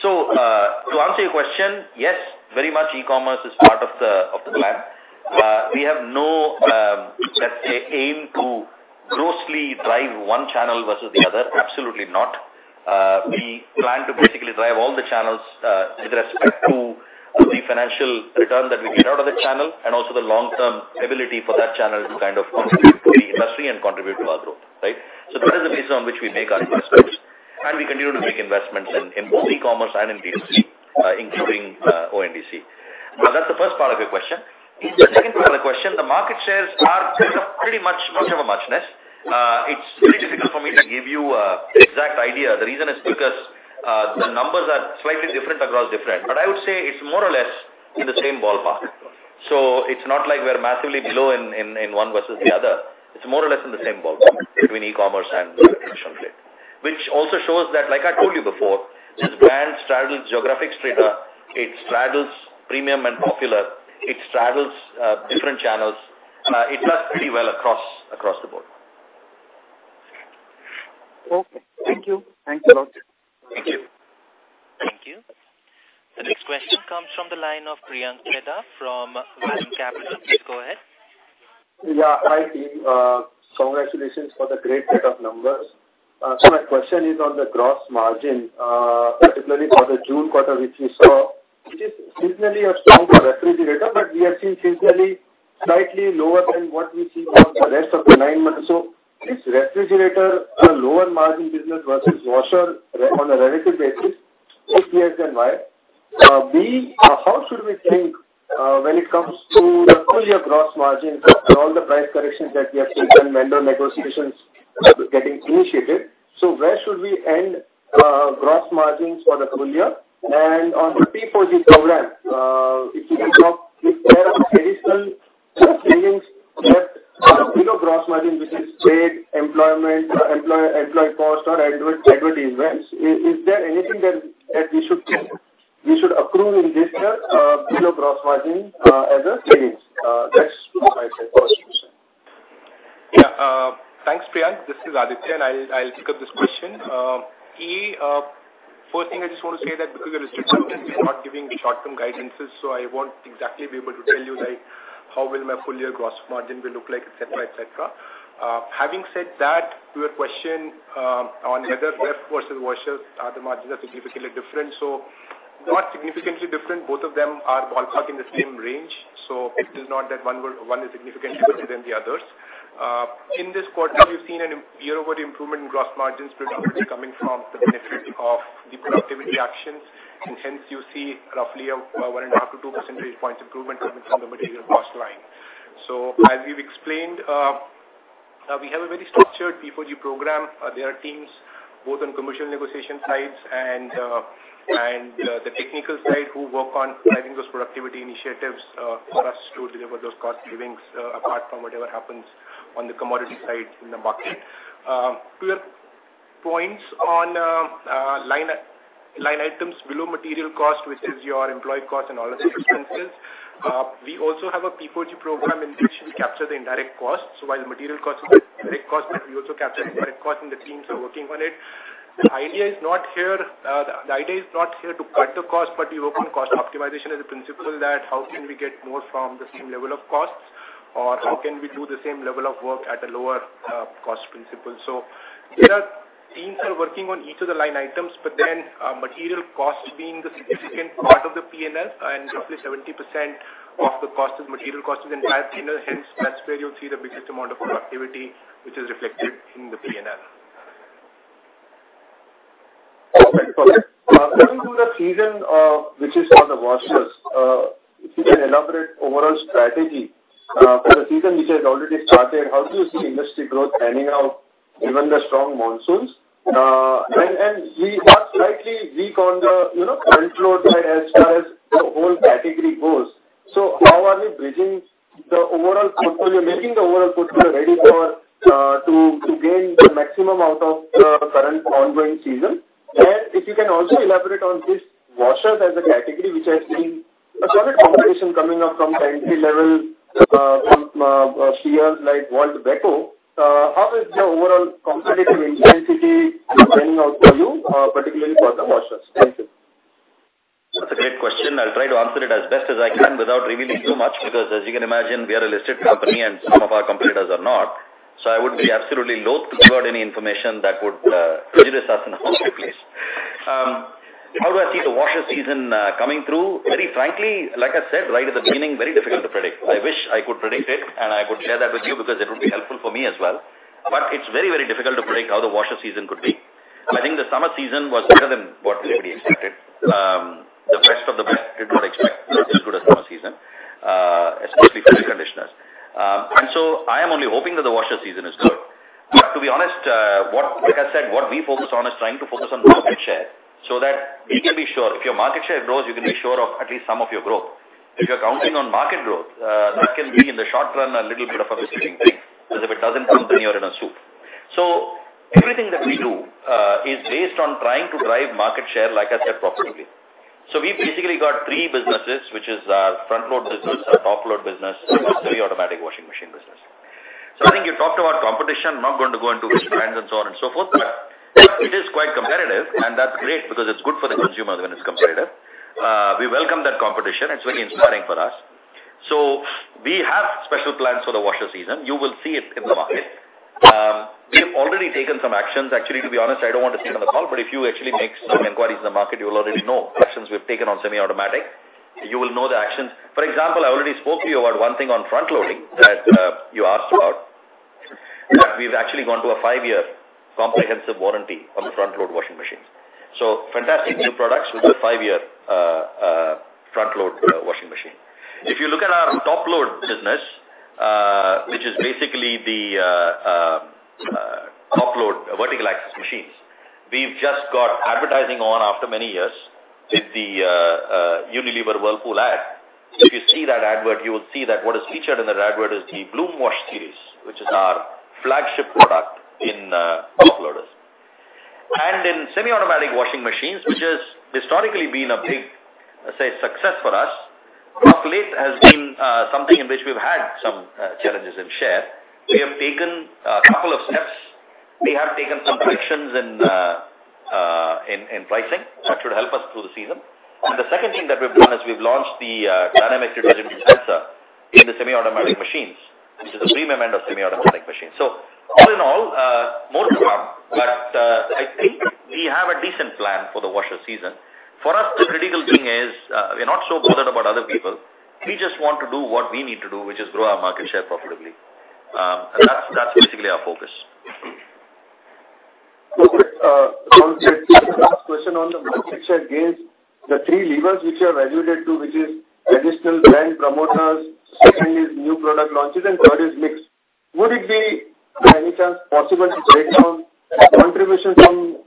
So, to answer your question: Yes, very much e-commerce is part of the plan. We have no aim to grossly drive one channel versus the other. Absolutely not. We plan to basically drive all the channels, with respect to the financial return that we get out of the channel, and also the long-term ability for that channel to kind of contribute to the industry and contribute to our growth, right? So that is the basis on which we make our investments, and we continue to make investments in both e-commerce and in D2C, including ONDC. That's the first part of your question. In the second part of the question, the market shares are pretty much of a muchness. It's very difficult for me to give you an exact idea. The reason is because, the numbers are slightly different across different, but I would say it's more or less in the same ballpark. So it's not like we're massively below in one versus the other. It's more or less in the same ballpark between e-commerce and the traditional play. Which also shows that, like I told you before, this brand straddles geographic strata, it straddles premium and popular, it straddles different channels, it does pretty well across the board. Okay, thank you. Thanks a lot. Thank you. Thank you. The next question comes from the line of Priyank Chheda from Vallum Capital. Please go ahead. Yeah, hi, team. Congratulations for the great set of numbers. So my question is on the gross margin, particularly for the June quarter, which we saw, which is seasonally a strong for refrigerator, but we have seen seasonally slightly lower than what we see for the rest of the nine months. So is refrigerator a lower margin business versus washer re- on a relative basis? If yes, then why? B, how should we think, when it comes to the full year gross margins and all the price corrections that we have taken, vendor negotiations getting initiated? So where should we end, gross margins for the full year? On the P4G program, if you can talk if there are additional savings that are below gross margin, which is trade, employment, employee cost or equity events, is there anything that we should approve in this year below gross margin as a savings? That's my first question. Yeah. Thanks, Priyank. This is Aditya, and I'll pick up this question. First thing, I just want to say that because we are not giving short-term guidances, so I won't exactly be able to tell you, like, how will my full year gross margin will look like, et cetera, et cetera. Having said that, to your question, on whether ref versus washers, the margins are significantly different. So not significantly different. Both of them are ballpark in the same range, so it is not that one will—one is significantly different than the others. In this quarter, we've seen a year-over-year improvement in gross margins, predominantly coming from the benefit of the productivity actions, and hence you see roughly 1.5-2 percentage points improvement coming from the material cost line. So as we've explained, we have a very structured P4G program. There are teams both on commercial negotiation sides and the technical side, who work on driving those productivity initiatives for us to deliver those cost savings, apart from whatever happens on the commodity side in the market. To your points on line items below material cost, which is your employee costs and all other expenses, we also have a P4G program in which we capture the indirect costs. So while the material cost is a direct cost, we also capture indirect costs, and the teams are working on it. The idea is not here, the idea is not here to cut the cost, but we work on cost optimization as a principle that how can we get more from the same level of costs, or how can we do the same level of work at a lower, cost principle. So there are teams are working on each of the line items, but then, material cost being the significant part of the P&L and roughly 70% of the cost of material cost is entire P&L. Hence, that's where you'll see the biggest amount of productivity, which is reflected in the P&L. Okay, perfect. Coming to the season, which is on the washers, if you can elaborate overall strategy for the season, which has already started, how do you see industry growth panning out, given the strong monsoons? And we are slightly weak on the, you know, current flow side as far as the whole category goes. So how are we bridging the overall portfolio, making the overall portfolio ready for to gain the maximum out of the current ongoing season? And if you can also elaborate on this washers as a category, which has seen a lot of competition coming up from the entry level, from players like Whirlpool, Beko. How is the overall competitive intensity panning out for you, particularly for the washers? Thank you. That's a great question. I'll try to answer it as best as I can without revealing too much, because as you can imagine, we are a listed company and some of our competitors are not. So I would be absolutely loathe to give out any information that would prejudice us in any place. How do I see the washer season coming through? Very frankly, like I said, right at the beginning, very difficult to predict. I wish I could predict it, and I could share that with you, because it would be helpful for me as well. But it's very, very difficult to predict how the washer season could be. I think the summer season was better than what anybody expected. The best of the best did not expect as good as summer season, especially for the conditioners. And so I am only hoping that the washer season is good. But to be honest, like I said, what we focus on is trying to focus on market share, so that we can be sure. If your market share grows, you can be sure of at least some of your growth. If you're counting on market growth, that can be, in the short run, a little bit of a misleading thing, because if it doesn't come, then you're in a soup. So everything that we do is based on trying to drive market share, like I said, profitably. So we've basically got three businesses, which is our front load business, our top load business, and semi-automatic washing machine business. So I think you talked about competition. I'm not going to go into which brands and so on and so forth, but it is quite competitive, and that's great because it's good for the consumer when it's competitive. We welcome that competition. It's very inspiring for us. So we have special plans for the washer season. You will see it in the market. We have already taken some actions. Actually, to be honest, I don't want to say it on the call, but if you actually make some inquiries in the market, you will already know actions we've taken on semi-automatic. You will know the actions. For example, I already spoke to you about one thing on front loading that you asked about. We've actually gone to a five-year comprehensive warranty on the front load washing machines. So fantastic new products with a five-year front load washing machine. If you look at our top load business, which is basically the top load vertical axis machines, we've just got advertising on after many years with the Unilever Whirlpool ad. If you see that ad, you will see that what is featured in that ad is the Bloom Wash series, which is our flagship product in top loaders. And in semi-automatic washing machines, which has historically been a big, say, success for us, of late has been something in which we've had some challenges in share. We have taken a couple of steps. We have taken some corrections in pricing. That should help us through the season. And the second thing that we've done is we've launched the Dynamix detergent sensor in the semi-automatic machines, which is a premium end of semi-automatic machines. So all in all, more to come, but, I think we have a decent plan for the washer season. For us, the critical thing is, we're not so bothered about other people. We just want to do what we need to do, which is grow our market share profitably. And that's, that's basically our focus. Okay, last question on the market share gains. The three levers which you have alluded to, which is additional brand promoters, secondly, new product launches, and third is mix. Would it be by any chance possible to break down contribution from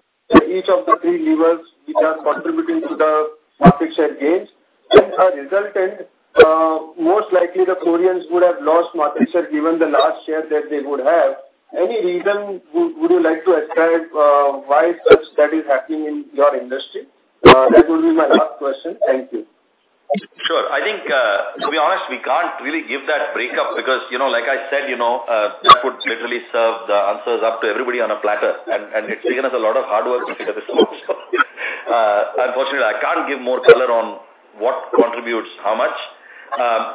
each of the three levers which are contributing to the market share gains? And a resultant, most likely the Koreans would have lost market share, given the large share that they would have. Any reason would you like to ascribe, why such that is happening in your industry? That will be my last question. Thank you. Sure. I think, to be honest, we can't really give that breakup because, you know, like I said, you know, that would literally serve the answers up to everybody on a platter, and, and it's taken us a lot of hard work to get this far. Unfortunately, I can't give more color on what contributes how much.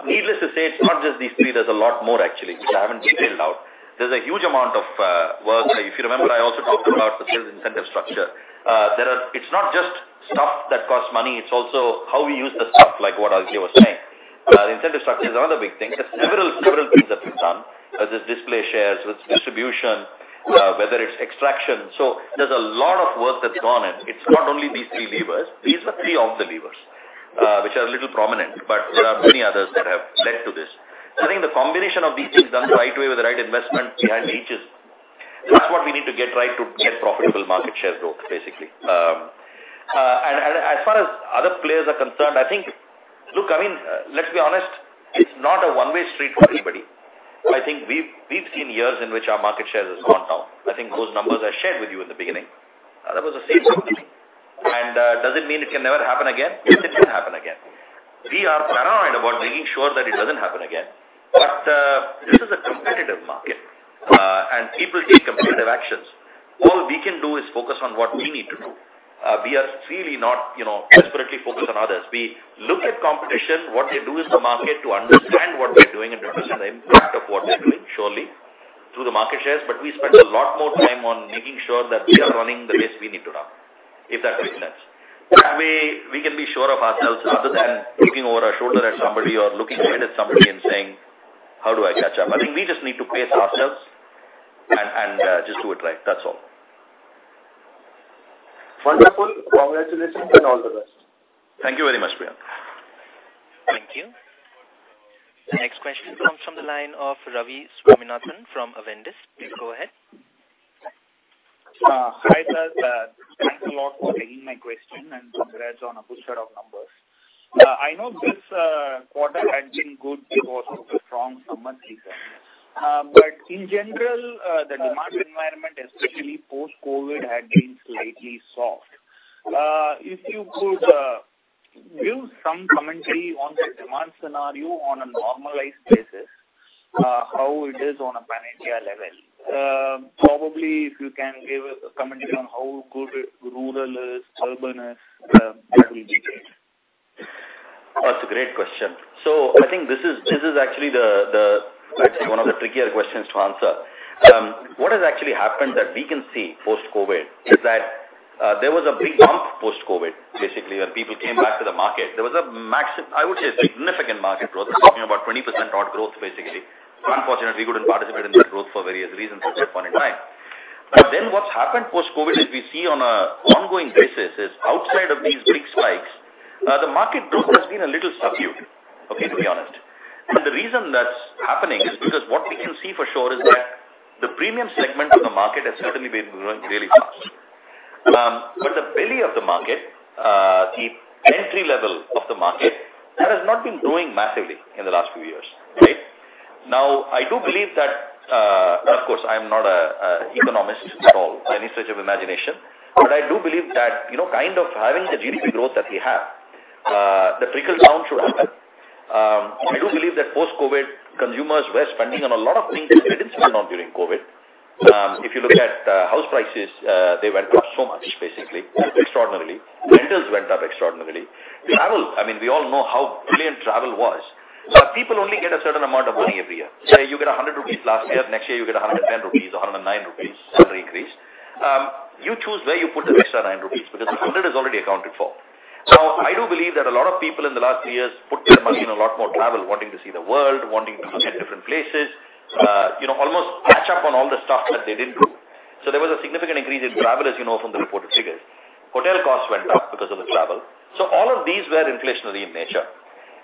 Needless to say, it's not just these three. There's a lot more actually, which I haven't detailed out. There's a huge amount of work. If you remember, I also talked about the sales incentive structure. There are. It's not just stuff that costs money, it's also how we use the stuff, like what Aditya was saying. Incentive structure is another big thing. There's several, several things that we've done, whether it's display shares, with distribution, whether it's extraction. So there's a lot of work that's gone in. It's not only these three levers. These are three of the levers, which are a little prominent, but there are many others that have led to this. I think the combination of these things done the right way with the right investment behind each is... That's what we need to get right to get profitable market share growth, basically. And as far as other players are concerned, I think. Look, I mean, let's be honest, it's not a one-way street for anybody. I think we've seen years in which our market share has gone down. I think those numbers I shared with you in the beginning, that was the same story. And does it mean it can never happen again? Yes, it can happen again. We are paranoid about making sure that it doesn't happen again, but this is a competitive market, and people take competitive actions. All we can do is focus on what we need to do. We are really not, you know, desperately focused on others. We look at competition, what they do is the market, to understand what they're doing and to understand the impact of what they're doing, surely, through the market shares, but we spend a lot more time on making sure that we are running the race we need to run, if that makes sense. That way, we can be sure of ourselves, other than looking over our shoulder at somebody or looking ahead at somebody and saying: How do I catch up? I think we just need to pace ourselves and just do it right. That's all. Wonderful. Congratulations and all the best. Thank you very much, Priyank. Thank you. The next question comes from the line of Ravi Swaminathan from Avendus. Please go ahead. Hi, sir. Thanks a lot for taking my question, and congrats on a good set of numbers. I know this quarter had been good because of the strong summer season. But in general, the demand environment, especially post-COVID, had been slightly soft. If you could give some commentary on the demand scenario on a normalized basis, how it is on a Pan-India level. Probably, if you can give a commentary on how good rural is, urban is, that will be great.... That's a great question. So I think this is actually the, the, let's say, one of the trickier questions to answer. What has actually happened that we can see post-COVID is that there was a big bump post-COVID, basically, where people came back to the market. There was, I would say, a significant market growth. We're talking about 20% odd growth, basically. Unfortunately, we couldn't participate in that growth for various reasons at that point in time. But then what's happened post-COVID, as we see on an ongoing basis, is outside of these big spikes the market growth has been a little subdued, okay, to be honest. And the reason that's happening is because what we can see for sure is that the premium segment of the market has certainly been growing really fast. But the belly of the market, the entry level of the market, that has not been growing massively in the last few years. Okay? Now, I do believe that, of course, I'm not an economist at all, by any stretch of imagination, but I do believe that, you know, kind of having the GDP growth that we have, the trickle down should happen. I do believe that post-COVID, consumers were spending on a lot of things that they didn't spend on during COVID. If you look at house prices, they went up so much, basically, extraordinarily. Rents went up extraordinarily. Travel, I mean, we all know how brilliant travel was, but people only get a certain amount of money every year. Say, you get 100 rupees last year, next year, you get 110 rupees or 109 rupees salary increase. You choose where you put the extra 9 rupees, because the 100 is already accounted for. So I do believe that a lot of people in the last three years put their money in a lot more travel, wanting to see the world, wanting to visit different places, you know, almost catch up on all the stuff that they didn't do. So there was a significant increase in travel, as you know from the reported figures. Hotel costs went up because of the travel. So all of these were inflationary in nature.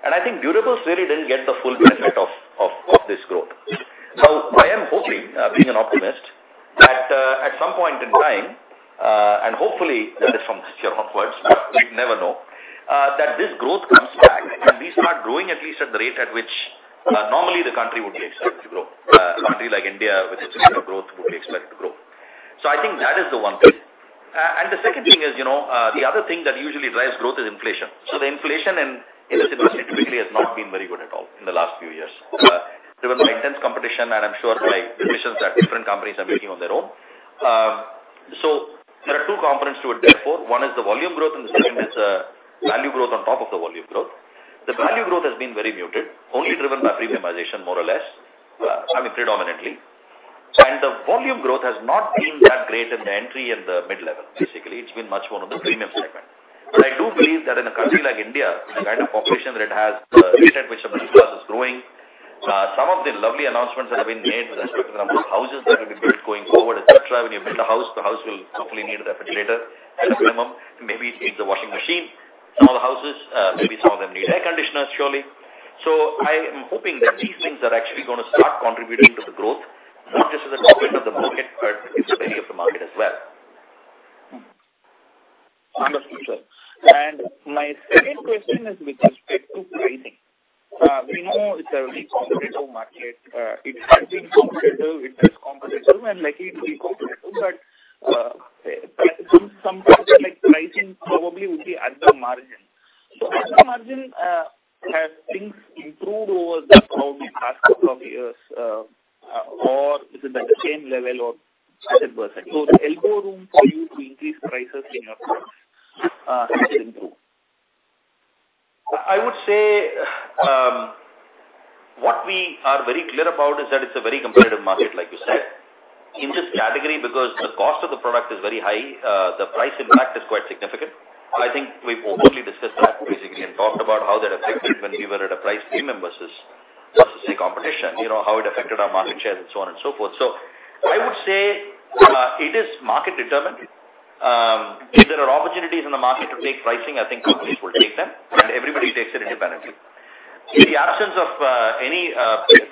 And I think durables really didn't get the full benefit of, of, of this growth. So I am hoping, being an optimist, that at some point in time, and hopefully that is from this year onwards, but we never know, that this growth comes back and we start growing, at least at the rate at which normally the country would be expected to grow. A country like India, with this rate of growth, would be expected to grow. So I think that is the one thing. And the second thing is, you know, the other thing that usually drives growth is inflation. So the inflation in this industry typically has not been very good at all in the last few years. Driven by intense competition, and I'm sure by decisions that different companies are making on their own. So there are two components to it, therefore. One is the volume growth, and the second is value growth on top of the volume growth. The value growth has been very muted, only driven by premiumization, more or less, I mean, predominantly. And the volume growth has not been that great in the entry and the mid-level. Basically, it's been much more on the premium segment. But I do believe that in a country like India, the kind of population that it has, the rate at which the middle class is growing, some of the lovely announcements that have been made with respect to the number of houses that will be built going forward, et cetera. When you build a house, the house will hopefully need a refrigerator at a minimum, maybe it needs a washing machine. Some of the houses, maybe some of them need air conditioners, surely. I am hoping that these things are actually going to start contributing to the growth, not just to the top end of the market, but to the belly of the market as well. Understood, sir. My second question is with respect to pricing. We know it's a very competitive market. It has been competitive, it is competitive, and likely to be competitive, but some parts, like, pricing probably would be at the margin. At the margin, have things improved over the past couple of years, or is it at the same level or worse? The elbow room for you to increase prices in your products has improved. I would say, what we are very clear about is that it's a very competitive market, like you said. In this category, because the cost of the product is very high, the price impact is quite significant. I think we've overly discussed that, basically, and talked about how that affected when we were at a price premium versus, say, competition, you know, how it affected our market shares and so on and so forth. So I would say, it is market determined. If there are opportunities in the market to take pricing, I think companies will take them, and everybody takes it independently. In the absence of, any,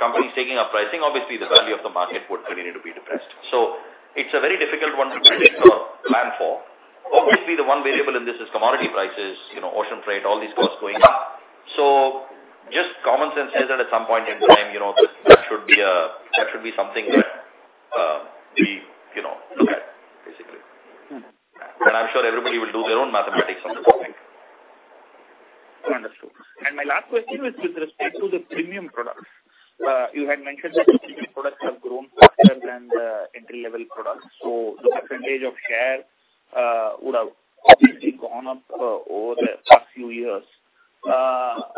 companies taking up pricing, obviously, the value of the market would continue to be depressed. So it's a very difficult one to predict or plan for. Obviously, the one variable in this is commodity prices, you know, ocean freight, all these costs going up. So just common sense says that at some point in time, you know, that should be something that we, you know, look at, basically. Mm-hmm. I'm sure everybody will do their own mathematics on this topic. Understood. My last question is with respect to the premium products. You had mentioned that the premium products have grown faster than the entry-level products, so the percentage of share would have obviously gone up over the past few years. I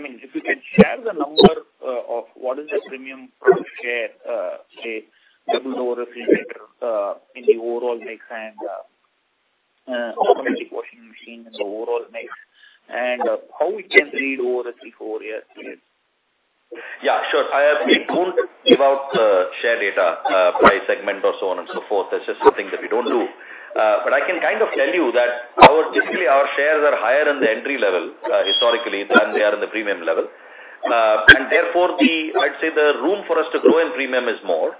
mean, if you can share the number of what is the premium product share, say, double door refrigerator in the overall mix and automatic washing machine in the overall mix, and how we can read over the three, four years? Yeah, sure. I, we don't give out share data by segment or so on and so forth. That's just something that we don't do. But I can kind of tell you that our—typically, our shares are higher in the entry level, historically, than they are in the premium level. And therefore, the... I'd say the room for us to grow in premium is more.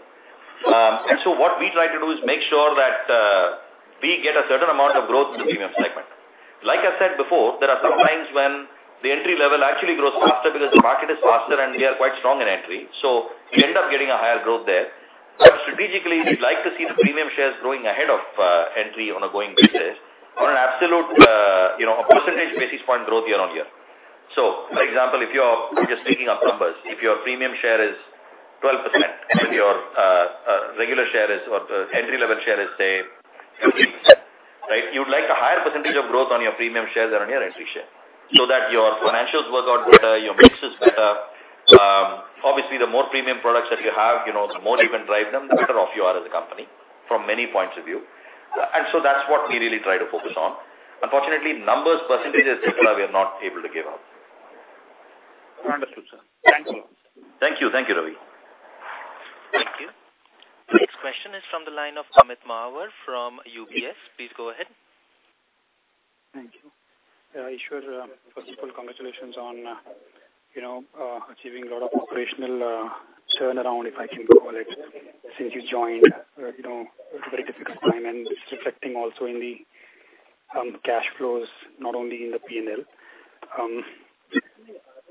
And so what we try to do is make sure that we get a certain amount of growth in the premium segment. Like I said before, there are some times when the entry level actually grows faster because the market is faster and we are quite strong in entry, so we end up getting a higher growth there. But strategically, we'd like to see the premium shares growing ahead of entry on a going basis. On an absolute, you know, a percentage basis-point growth year-on-year. So, for example, if your, just making up numbers, if your premium share is 12% and your regular share is, or the entry-level share is, say, 50, right? You'd like a higher percentage of growth on your premium shares than on your entry share, so that your financials work out better, your mix is better. Obviously, the more premium products that you have, you know, the more you can drive them, the better off you are as a company, from many points of view. And so that's what we really try to focus on. Unfortunately, numbers, percentages, et cetera, we are not able to give out. Understood, sir. Thank you. Thank you. Thank you, Ravi. Thank you. The next question is from the line of Amit Mahawar from UBS. Please go ahead. Thank you. Narasimhan, first of all, congratulations on, you know, achieving a lot of operational turnaround, if I can call it, since you joined. You know, it's a very difficult time, and it's reflecting also in the cash flows, not only in the P&L.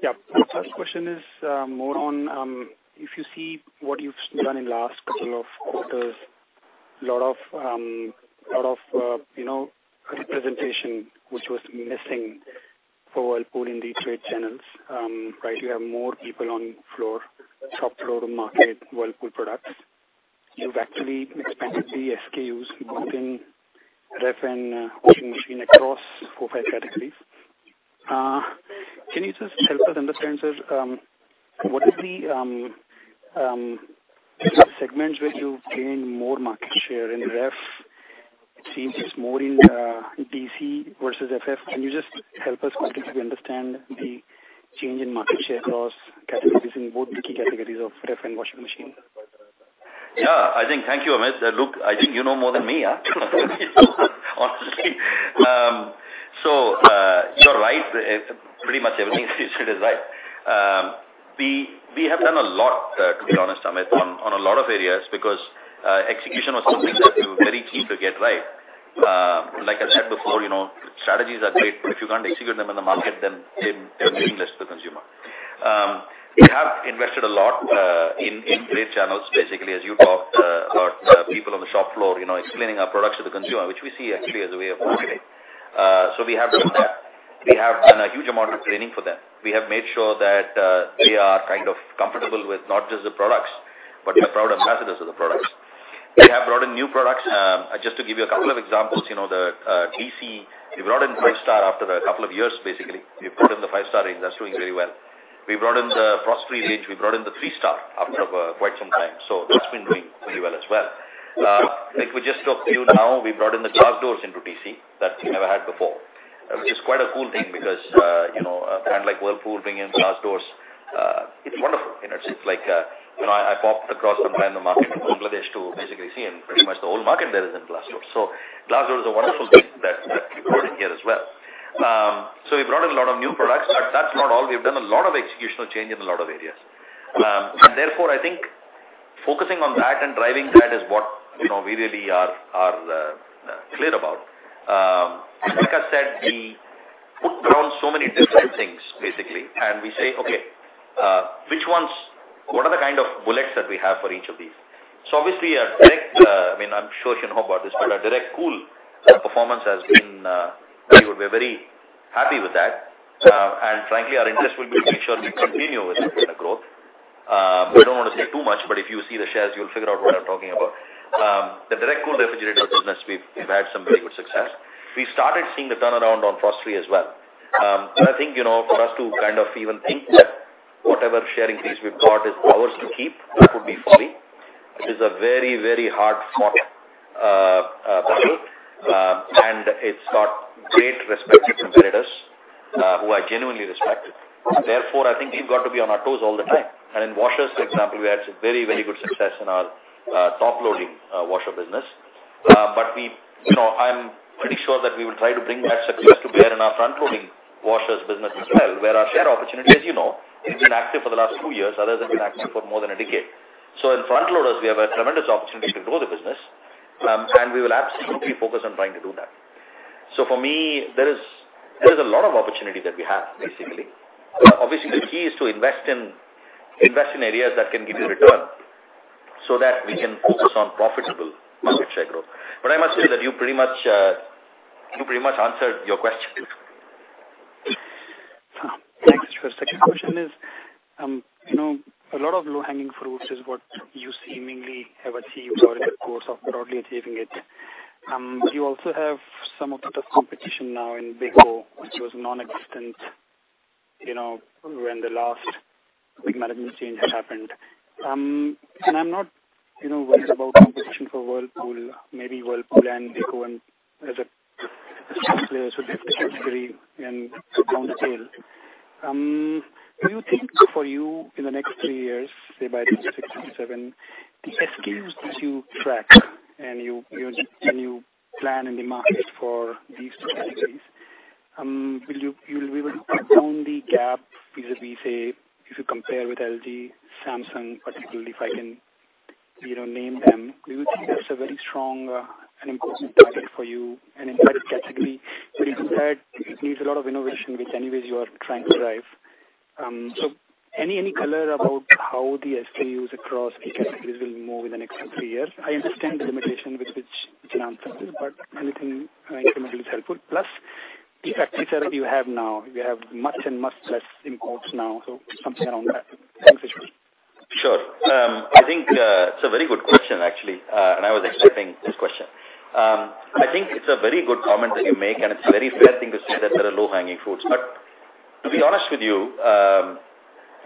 Yeah, my first question is more on if you see what you've done in last couple of quarters, a lot of lot of you know representation, which was missing for Whirlpool in the trade channels. Right, you have more people on floor, shop floor to market Whirlpool products. You've actually expanded the SKUs, both in ref and washing machine across 4-5 categories. Can you just help us understand, sir, what is the segments where you've gained more market share in ref? It seems it's more in DC versus FF. Can you just help us quickly to understand the change in market share across categories in both the key categories of ref and washing machine? Yeah, I think. Thank you, Amit. Look, I think you know more than me, yeah, honestly. So, you're right. Pretty much everything you said is right. We have done a lot, to be honest, Amit, on a lot of areas, because execution was something that we were very keen to get right. Like I said before, you know, strategies are great, but if you can't execute them in the market, then they, they're meaningless to the consumer. We have invested a lot, in great channels. Basically, as you talked about people on the shop floor, you know, explaining our products to the consumer, which we see actually as a way of marketing. So we have done that. We have done a huge amount of training for them. We have made sure that they are kind of comfortable with not just the products, but they're proud ambassadors of the products. We have brought in new products. Just to give you a couple of examples, you know, the DC, we brought in 5-star after a couple of years basically. We've brought in the 5-star range, that's doing very well. We brought in the Frost-free range. We brought in the 3-star after quite some time, so that's been doing pretty well as well. Like we just talked to you now, we brought in the glass doors into DC that we never had before, which is quite a cool thing, because you know, a brand like Whirlpool bringing in glass doors, it's wonderful. You know, it's like, you know, I popped across a random market in Bangladesh to basically see, and pretty much the whole market there is in glass doors. So glass door is a wonderful thing that we've brought in here as well. So we've brought in a lot of new products, but that's not all. We've done a lot of executional change in a lot of areas. And therefore, I think focusing on that and driving that is what, you know, we really are clear about. Like I said, we put down so many different things, basically, and we say, okay, which ones—what are the kind of bullets that we have for each of these? So obviously, a direct, I mean, I'm sure you know about this, but our direct cool performance has been, we're very happy with that. And frankly, our interest will be to make sure we continue with that kind of growth. We don't want to say too much, but if you see the shares, you'll figure out what I'm talking about. The direct cool refrigerator business, we've had some very good success. We started seeing the turnaround on Frost-free as well. And I think, you know, for us to kind of even think that whatever share increase we've got is ours to keep, that would be folly. It is a very, very hard fought battle, and it's got great respective competitors, who I genuinely respect. Therefore, I think we've got to be on our toes all the time. In washers, for example, we had some very, very good success in our top loading washer business. But we... You know, I'm pretty sure that we will try to bring that success to bear in our front-loading washers business as well, where our share opportunity, as you know, it's been active for the last two years, other than been active for more than a decade. In front loaders, we have a tremendous opportunity to grow the business, and we will absolutely focus on trying to do that. For me, there is, there is a lot of opportunity that we have, basically. Obviously, the key is to invest in, invest in areas that can give you return, so that we can focus on profitable market share growth. But I must say that you pretty much, you pretty much answered your question. Thanks. Sure. Second question is, you know, a lot of low-hanging fruits is what you seemingly have achieved or in the course of broadly achieving it. You also have some of the competition now in Beko, which was non-existent, you know, when the last big management change happened. And I'm not, you know, worried about competition for Whirlpool, maybe Whirlpool and Beko and as a, as players who have to agree and down the tail. Do you think for you, in the next three years, say by 2027, the SKUs that you track and you, you, and you plan in the market for these two categories, will you, you'll, will you cut down the gap vis-à-vis, say, if you compare with LG, Samsung particularly, if I can, you know, name them? Do you think that's a very strong, and important market for you and in that category, but even that, it needs a lot of innovation, which anyways you are trying to drive?... So any color about how the SKUs across the categories will move in the next three years? I understand the limitation with which you can answer this, but anything incrementally is helpful. Plus, the category you have now, you have much, much less imports now, so something around that. Thank you, Sir. Sure. I think, it's a very good question, actually, and I was expecting this question. I think it's a very good comment that you make, and it's a very fair thing to say that there are low-hanging fruits. But to be honest with you,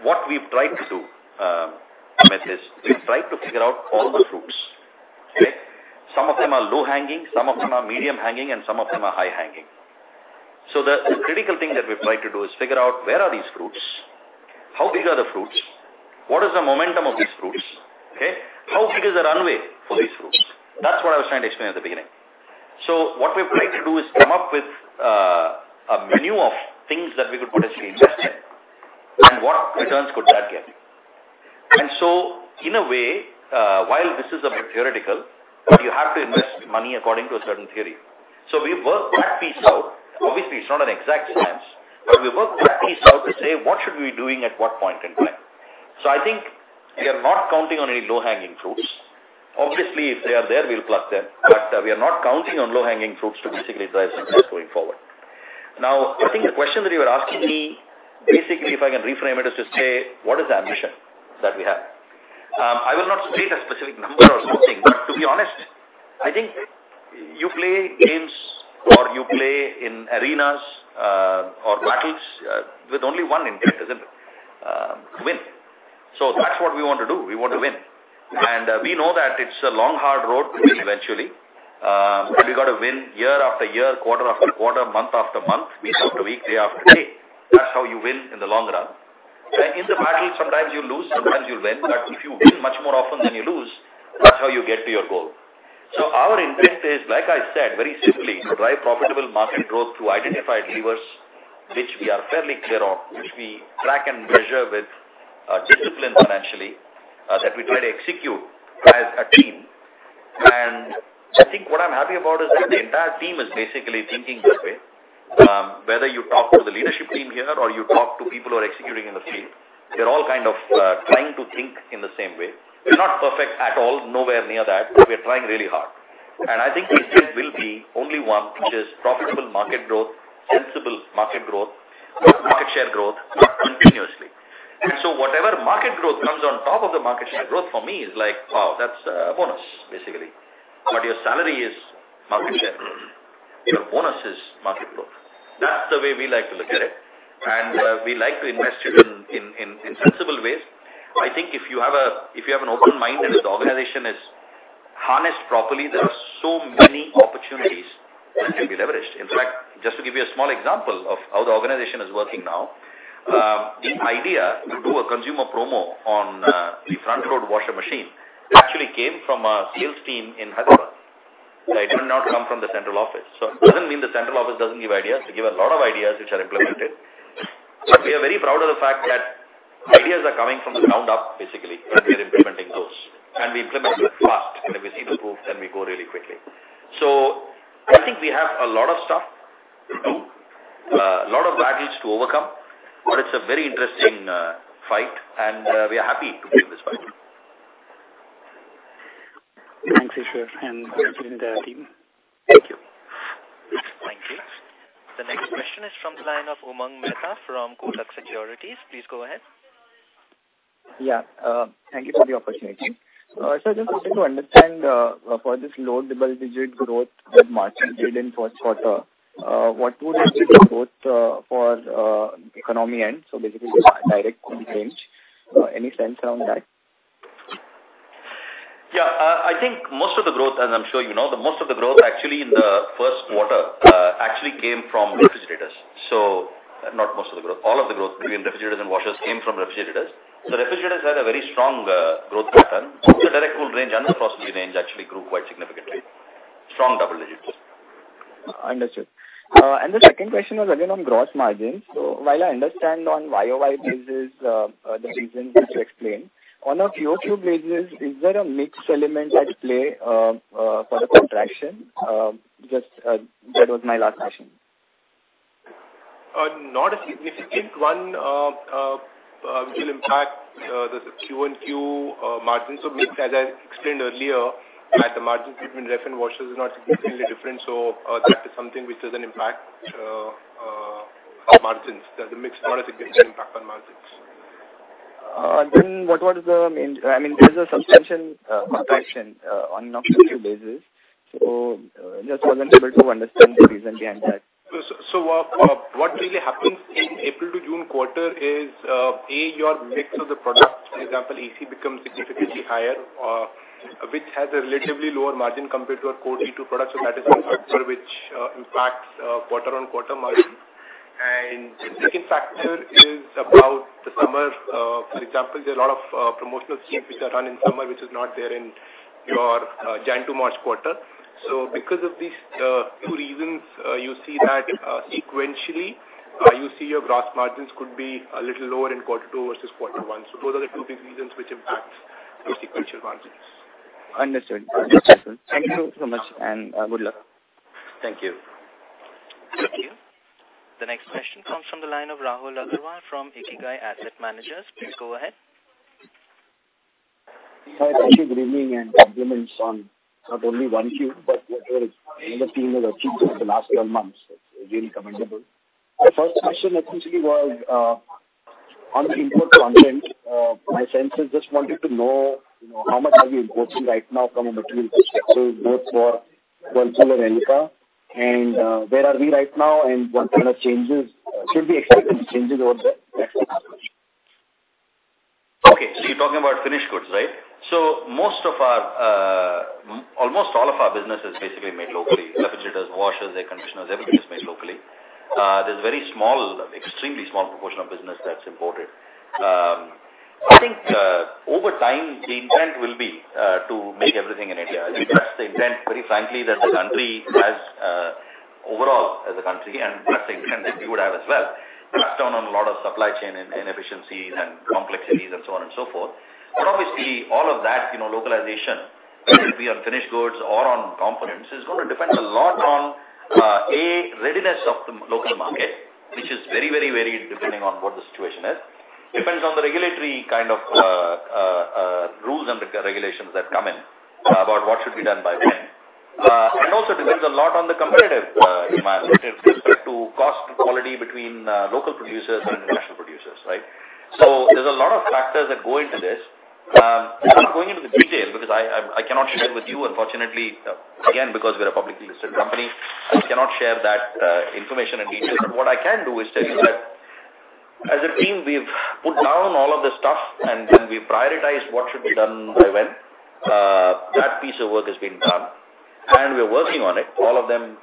what we've tried to do, is we've tried to figure out all the fruits. Okay? Some of them are low-hanging, some of them are medium-hanging, and some of them are high-hanging. So the critical thing that we've tried to do is figure out where are these fruits? How big are the fruits? What is the momentum of these fruits? Okay, how big is the runway for these fruits? That's what I was trying to explain at the beginning. So what we've tried to do is come up with a menu of things that we could potentially invest in, and what returns could that get? And so, in a way, while this is a bit theoretical, but you have to invest money according to a certain theory. So we work that piece out. Obviously, it's not an exact science, but we work that piece out to say, what should we be doing at what point in time? So I think we are not counting on any low-hanging fruits. Obviously, if they are there, we'll pluck them, but we are not counting on low-hanging fruits to basically drive success going forward. Now, I think the question that you are asking me, basically, if I can reframe it, is to say, what is the ambition that we have? I will not state a specific number or something, but to be honest, I think you play games or you play in arenas, or battles, with only one intent, isn't it? Win. So that's what we want to do. We want to win. And we know that it's a long, hard road to win eventually, but you got to win year after year, quarter after quarter, month after month, week after week, day after day. That's how you win in the long run. And in the battle, sometimes you lose, sometimes you win, but if you win much more often than you lose, that's how you get to your goal. Our intent is, like I said, very simply, to drive profitable market growth through identified levers, which we are fairly clear on, which we track and measure with discipline financially, that we try to execute as a team. I think what I'm happy about is that the entire team is basically thinking this way. Whether you talk to the leadership team here or you talk to people who are executing in the field, they're all kind of trying to think in the same way. We're not perfect at all, nowhere near that, but we are trying really hard. I think the intent will be only one, which is profitable market growth, sensible market growth, market share growth continuously. Whatever market growth comes on top of the market share growth for me is like, wow, that's a bonus, basically. But your salary is market share. Your bonus is market growth. That's the way we like to look at it, and we like to invest it in sensible ways. I think if you have an open mind and if the organization is harnessed properly, there are so many opportunities that can be leveraged. In fact, just to give you a small example of how the organization is working now, the idea to do a consumer promo on the front load washer machine, it actually came from a sales team in Hyderabad. It did not come from the central office. So it doesn't mean the central office doesn't give ideas. They give a lot of ideas which are implemented. But we are very proud of the fact that ideas are coming from the ground up, basically, and we are implementing those. We implement them fast, and if we see the proof, then we go really quickly. So I think we have a lot of stuff to do, a lot of battles to overcome, but it's a very interesting fight, and we are happy to play this fight. Thanks, Yashir, and thank you and the team. Thank you. Thank you. The next question is from the line of Umang Mehta from Kotak Securities. Please go ahead. Yeah, thank you for the opportunity. Sir, just wanted to understand, for this low double-digit growth that margin did in first quarter, what would be the growth for economy end, so basically just direct cool range. Any sense around that? Yeah, I think most of the growth, as I'm sure you know, the most of the growth actually in the first quarter, actually came from refrigerators. So not most of the growth, all of the growth between refrigerators and washers came from refrigerators. So refrigerators had a very strong, growth pattern. So the direct cool range and the frost-free range actually grew quite significantly. Strong double digits. Understood. And the second question was again on gross margins. So while I understand on YoY basis, the reasons which you explained, on a QoQ basis, is there a mixed element at play, for the contraction? Just, that was my last question. Not a significant one, which will impact the QoQ margins. So mix, as I explained earlier, like the margin between ref and washers is not significantly different, so that is something which doesn't impact margins. The mix is not a significant impact on margins. Then, what is the main? I mean, there is a substantial contraction on a QoQ basis, so just wasn't able to understand the reason behind that. What really happens in the April to June quarter is, A, your mix of the products, for example, AC becomes significantly higher, which has a relatively lower margin compared to our code E2 products, so that is one factor which impacts quarter-on-quarter margin. The second factor is about the summer, for example, there are a lot of promotional schemes which are run in summer, which is not there in your January to March quarter. So because of these two reasons, you see that, sequentially, you see your gross margins could be a little lower in quarter two versus quarter one. So those are the two big reasons which impact your sequential margins. Understood. Thank you so much, and good luck.... Thank you. Thank you. The next question comes from the line of Rahul Agarwal from Ikigai Asset Manager. Please go ahead. Hi, good evening, and compliments on not only 1 Q, but what your and the team has achieved over the last 12 months. It's really commendable. My first question, essentially, was on the import content. My sense is just wanted to know, you know, how much are you importing right now from a material perspective, both for Voltas or Elica? And, where are we right now, and what kind of changes should we expect any changes over there? Okay, so you're talking about finished goods, right? So most of our, almost all of our business is basically made locally. Refrigerators, washers, air conditioners, everything is made locally. There's a very small, extremely small proportion of business that's imported. I think, over time, the intent will be to make everything in India. I think that's the intent, very frankly, that the country has, overall, as a country, and that's the intent that we would have as well. Crack down on a lot of supply chain inefficiencies and complexities and so on and so forth. But obviously, all of that, you know, localization, whether it be on finished goods or on components, is going to depend a lot on A, readiness of the local market, which is very, very varied, depending on what the situation is. Depends on the regulatory kind of rules and regulations that come in about what should be done by when. Also depends a lot on the competitive environment with respect to cost and quality between local producers and international producers, right? So there's a lot of factors that go into this. I'm not going into the detail because I cannot share with you, unfortunately, again, because we're a publicly listed company, I cannot share that information in detail. But what I can do is tell you that as a team, we've put down all of the stuff, and then we've prioritized what should be done by when. That piece of work has been done, and we're working on it. All of them,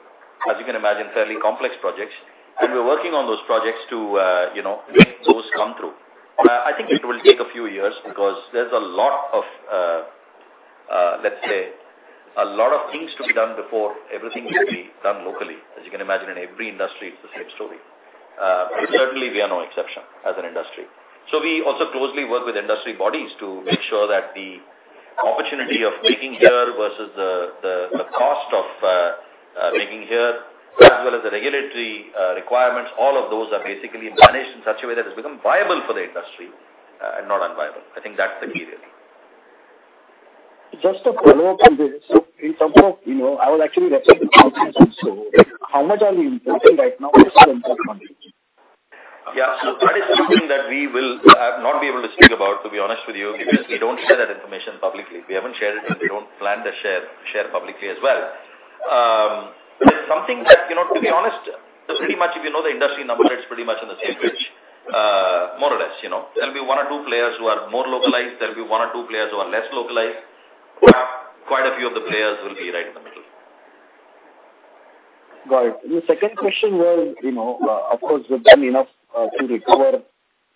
as you can imagine, fairly complex projects, and we're working on those projects to, you know, make those come through. I think it will take a few years because there's a lot of, let's say, a lot of things to be done before everything can be done locally. As you can imagine, in every industry, it's the same story. Certainly, we are no exception as an industry. So we also closely work with industry bodies to make sure that the opportunity of making here versus the cost of making here, as well as the regulatory requirements, all of those are basically managed in such a way that it's become viable for the industry, and not unviable. I think that's the key here. Just a follow-up on this. So in terms of, you know, I will actually refer to the consensus also, how much are we importing right now? Yeah. So that is something that we will not be able to speak about, to be honest with you, because we don't share that information publicly. We haven't shared it, and we don't plan to share publicly as well. It's something that, you know, to be honest, pretty much if you know the industry number, it's pretty much in the same range, more or less, you know. There'll be one or two players who are more localized, there'll be one or two players who are less localized. Quite a few of the players will be right in the middle. Got it. The second question was, you know, of course, we've done enough to recover,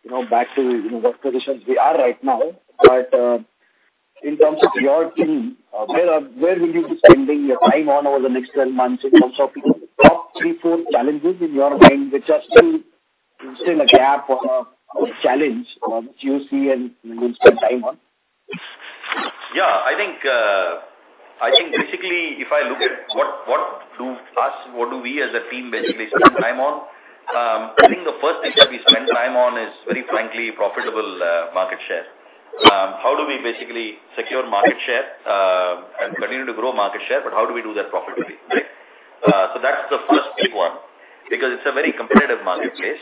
you know, back to, you know, what positions we are right now. But in terms of your team, where are, where will you be spending your time on over the next 12 months, in terms of top three, four challenges in your mind, which are still, still a gap or a challenge, which you see and you will spend time on? Yeah. I think, I think basically, if I look at what, what do we as a team basically spend time on? I think the first thing that we spend time on is, very frankly, profitable market share. How do we basically secure market share, and continue to grow market share, but how do we do that profitably, right? So that's the first big one, because it's a very competitive marketplace.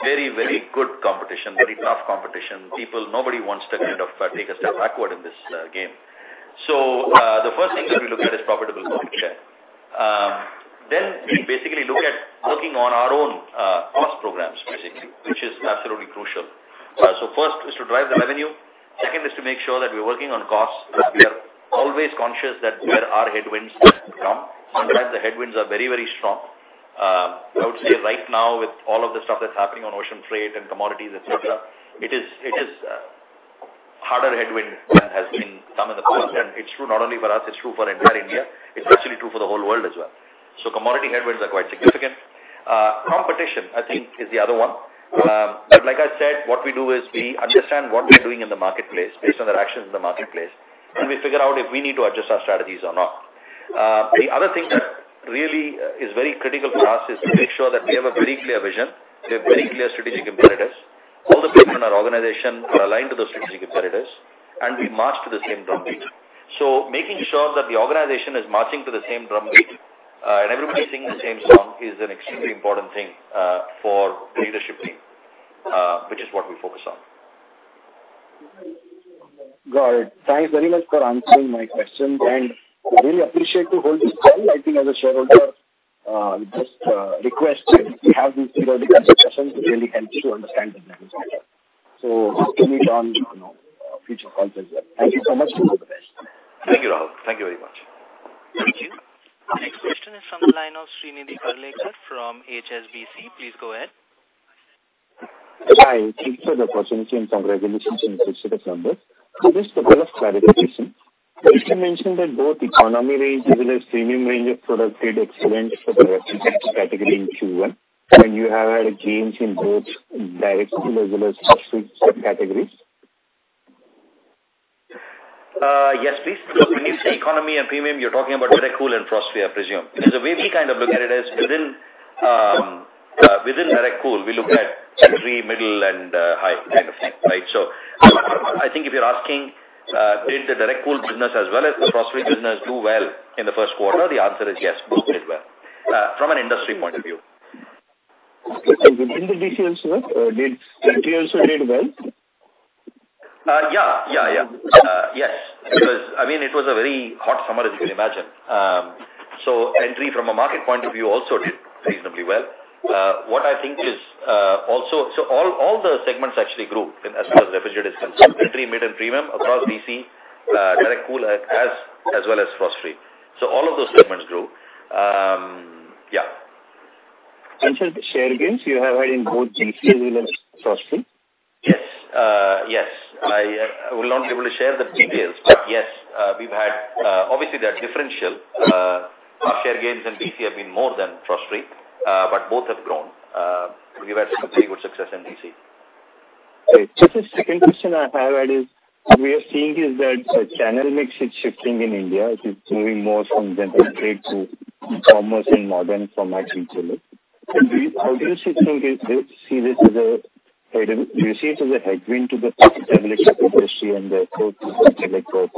Very, very good competition, very tough competition. People, nobody wants to kind of take a step backward in this game. So the first thing that we look at is profitable market share. Then we basically look at working on our own cost programs, basically, which is absolutely crucial. So first is to drive the revenue. Second is to make sure that we're working on costs. We are always conscious that there are headwinds that come. Sometimes the headwinds are very, very strong. I would say right now, with all of the stuff that's happening on ocean freight and commodities, et cetera, it is, it is, harder headwind than has been some in the past. It's true not only for us, it's true for entire India. It's actually true for the whole world as well. Commodity headwinds are quite significant. Competition, I think, is the other one. Like I said, what we do is we understand what we're doing in the marketplace based on our actions in the marketplace, and we figure out if we need to adjust our strategies or not. The other thing that really is very critical for us is to make sure that we have a very clear vision, we have very clear strategic imperatives. All the people in our organization are aligned to those strategic imperatives, and we march to the same drum beat. So making sure that the organization is marching to the same drum beat, and everybody's singing the same song is an extremely important thing, for the leadership team, which is what we focus on. Got it. Thanks very much for answering my questions, and really appreciate to hold this call. I think as a shareholder, just request that we have these periodic discussions. It really helps to understand the business better. So hope to meet on, you know, future calls as well. Thank you so much, and all the best. Thank you, Rahul. Thank you very much. Thank you. Next question is from the line of Srinidhi Karle from HSBC. Please go ahead. Hi, thank you for the opportunity and congratulations on the numbers. Just a couple of clarifications. You mentioned that both economy range as well as premium range of product did excellent for the category in Q1, and you have had gains in both direct as well as sub-categories.... yes, please. When you say economy and premium, you're talking about Direct Cool and Frost-free, I presume. Because the way we kind of look at it is within Direct Cool, we look at entry, middle, and high kind of thing, right? So I think if you're asking, did the Direct Cool business as well as the Frost-free business do well in the first quarter? The answer is yes, both did well from an industry point of view. Okay. So within the DC as well, did entry also did well? Yeah, yeah, yeah. Yes, it was—I mean, it was a very hot summer, as you can imagine. So entry from a market point of view also did reasonably well. What I think is also—So all, all the segments actually grew as far as refrigerators concerned, entry, mid, and premium across DC, direct cool, as well as frost-free. So all of those segments grew. Yeah. The share gains you have had in both DC and Frost-free? Yes, yes. I will not be able to share the details, but yes, we've had... Obviously, they are differential. Our share gains in DC have been more than frost-free, but both have grown. We've had some very good success in DC. Okay. Just a second question I have had is, we are seeing that the channel mix is shifting in India. It is moving more from general trade to e-commerce and modern formats into it. How do you see this as a headwind? Do you see it as a headwind to the established industry and therefore to select growth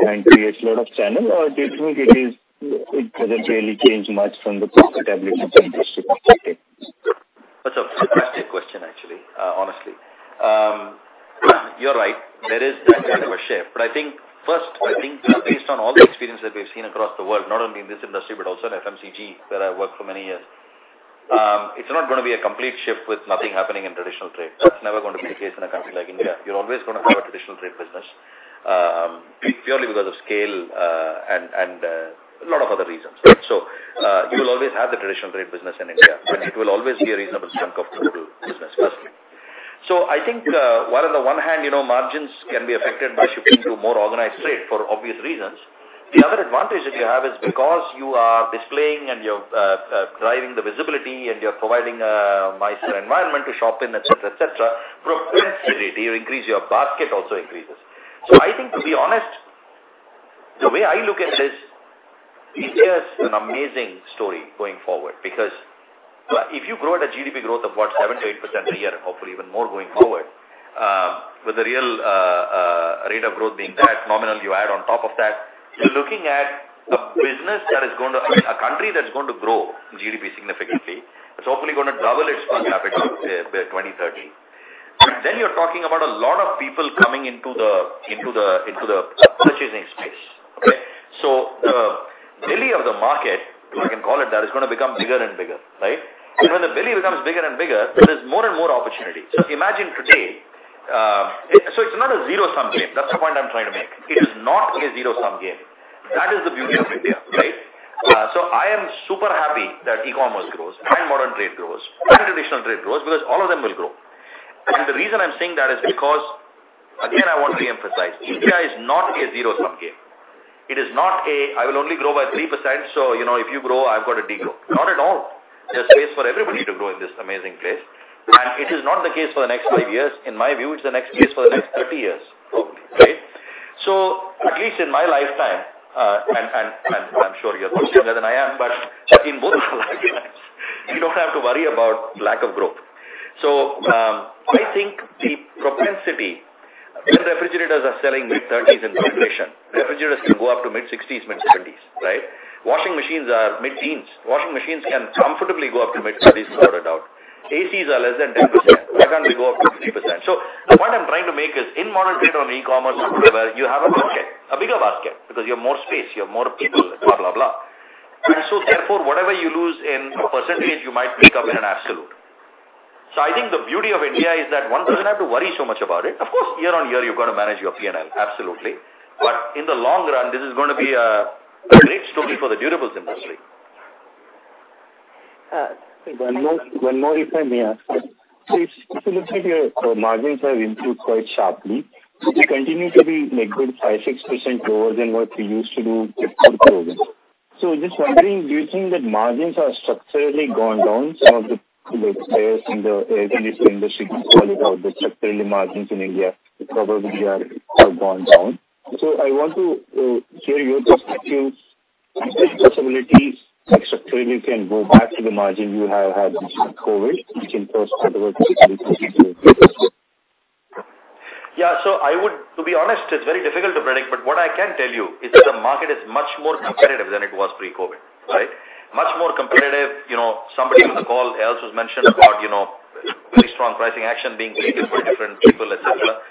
and creates a lot of channel, or do you think it doesn't really change much from the established industry perspective? That's a fantastic question, actually, honestly. You're right, there is that kind of a shift. But I think first, I think based on all the experience that we've seen across the world, not only in this industry, but also in FMCG, where I worked for many years, it's not going to be a complete shift with nothing happening in traditional trade. That's never going to be the case in a country like India. You're always going to have a traditional trade business, purely because of scale, and a lot of other reasons, right? So, you will always have the traditional trade business in India, and it will always be a reasonable chunk of the total business, firstly. So I think, while on the one hand, you know, margins can be affected by shifting to a more organized trade for obvious reasons, the other advantage that you have is because you are displaying and you're driving the visibility, and you're providing a nicer environment to shop in, et cetera, et cetera, propensity, you increase your basket also increases. So I think, to be honest, the way I look at this, India is an amazing story going forward, because if you grow at a GDP growth of what, 7%-8% a year, hopefully even more going forward, with the real rate of growth being that nominal, you add on top of that, you're looking at a business that is going to... I mean, a country that's going to grow GDP significantly. It's hopefully going to double its per capita by 2030. And then you're talking about a lot of people coming into the purchasing space. Okay? So the belly of the market, if I can call it that, is going to become bigger and bigger, right? And when the belly becomes bigger and bigger, there is more and more opportunity. So if you imagine today, so it's not a zero-sum game. That's the point I'm trying to make. It is not a zero-sum game. That is the beauty of India, right? So I am super happy that e-commerce grows and modern trade grows, and traditional trade grows because all of them will grow. And the reason I'm saying that is because, again, I want to reemphasize, India is not a zero-sum game. It is not a, "I will only grow by 3%, so, you know, if you grow, I've got to de-grow." Not at all. There's space for everybody to grow in this amazing place. It is not the case for the next 5 years. In my view, it's the next case for the next 30 years, hopefully, right? So at least in my lifetime, and I'm sure you're much younger than I am, but I think both of us, we don't have to worry about lack of growth. So, I think the propensity, when refrigerators are selling mid-30s in penetration, refrigerators can go up to mid-60s, mid-70s, right? Washing machines are mid-teens. Washing machines can comfortably go up to mid-30s, without a doubt. ACs are less than 10%. Why can't we go up to 20%? So the point I'm trying to make is, in modern trade or on e-commerce or wherever, you have a basket, a bigger basket, because you have more space, you have more people, blah, blah, blah. And so therefore, whatever you lose in a percentage, you might pick up in an absolute. So I think the beauty of India is that one doesn't have to worry so much about it. Of course, year-on-year, you've got to manage your P&L, absolutely. But in the long run, this is going to be a, a great story for the durables industry. One more, one more, if I may ask. So it's, it looks like your margins have improved quite sharply. So they continue to be, like, good 5-6% lower than what you used to do before COVID. So just wondering, do you think that margins are structurally gone down? Some of the players in the industry call it out, the structurally margins in India probably are, have gone down. So I want to hear your perspectives and possibilities, like, structurally can go back to the margin you have had before COVID, which in first quarter were particularly good. Yeah, so to be honest, it's very difficult to predict, but what I can tell you is that the market is much more competitive than it was pre-COVID, right? Much more competitive. You know, somebody on the call else has mentioned about, you know, very strong pricing action being taken by different people, et cetera.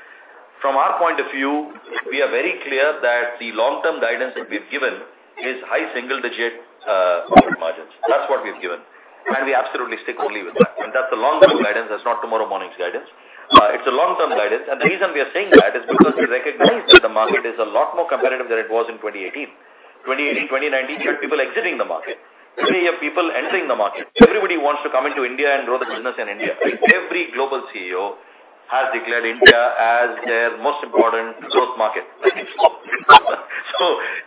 From our point of view, we are very clear that the long-term guidance that we've given is high single-digit profit margins. That's what we've given, and we absolutely stick only with that. And that's a long-term guidance. That's not tomorrow morning's guidance. It's a long-term guidance. And the reason we are saying that is because we recognize that the market is a lot more competitive than it was in 2018. 2018, 2019, you had people exiting the market. Today, you have people entering the market. Everybody wants to come into India and grow their business in India, right? Every global CEO has declared India as their most important growth market going forward.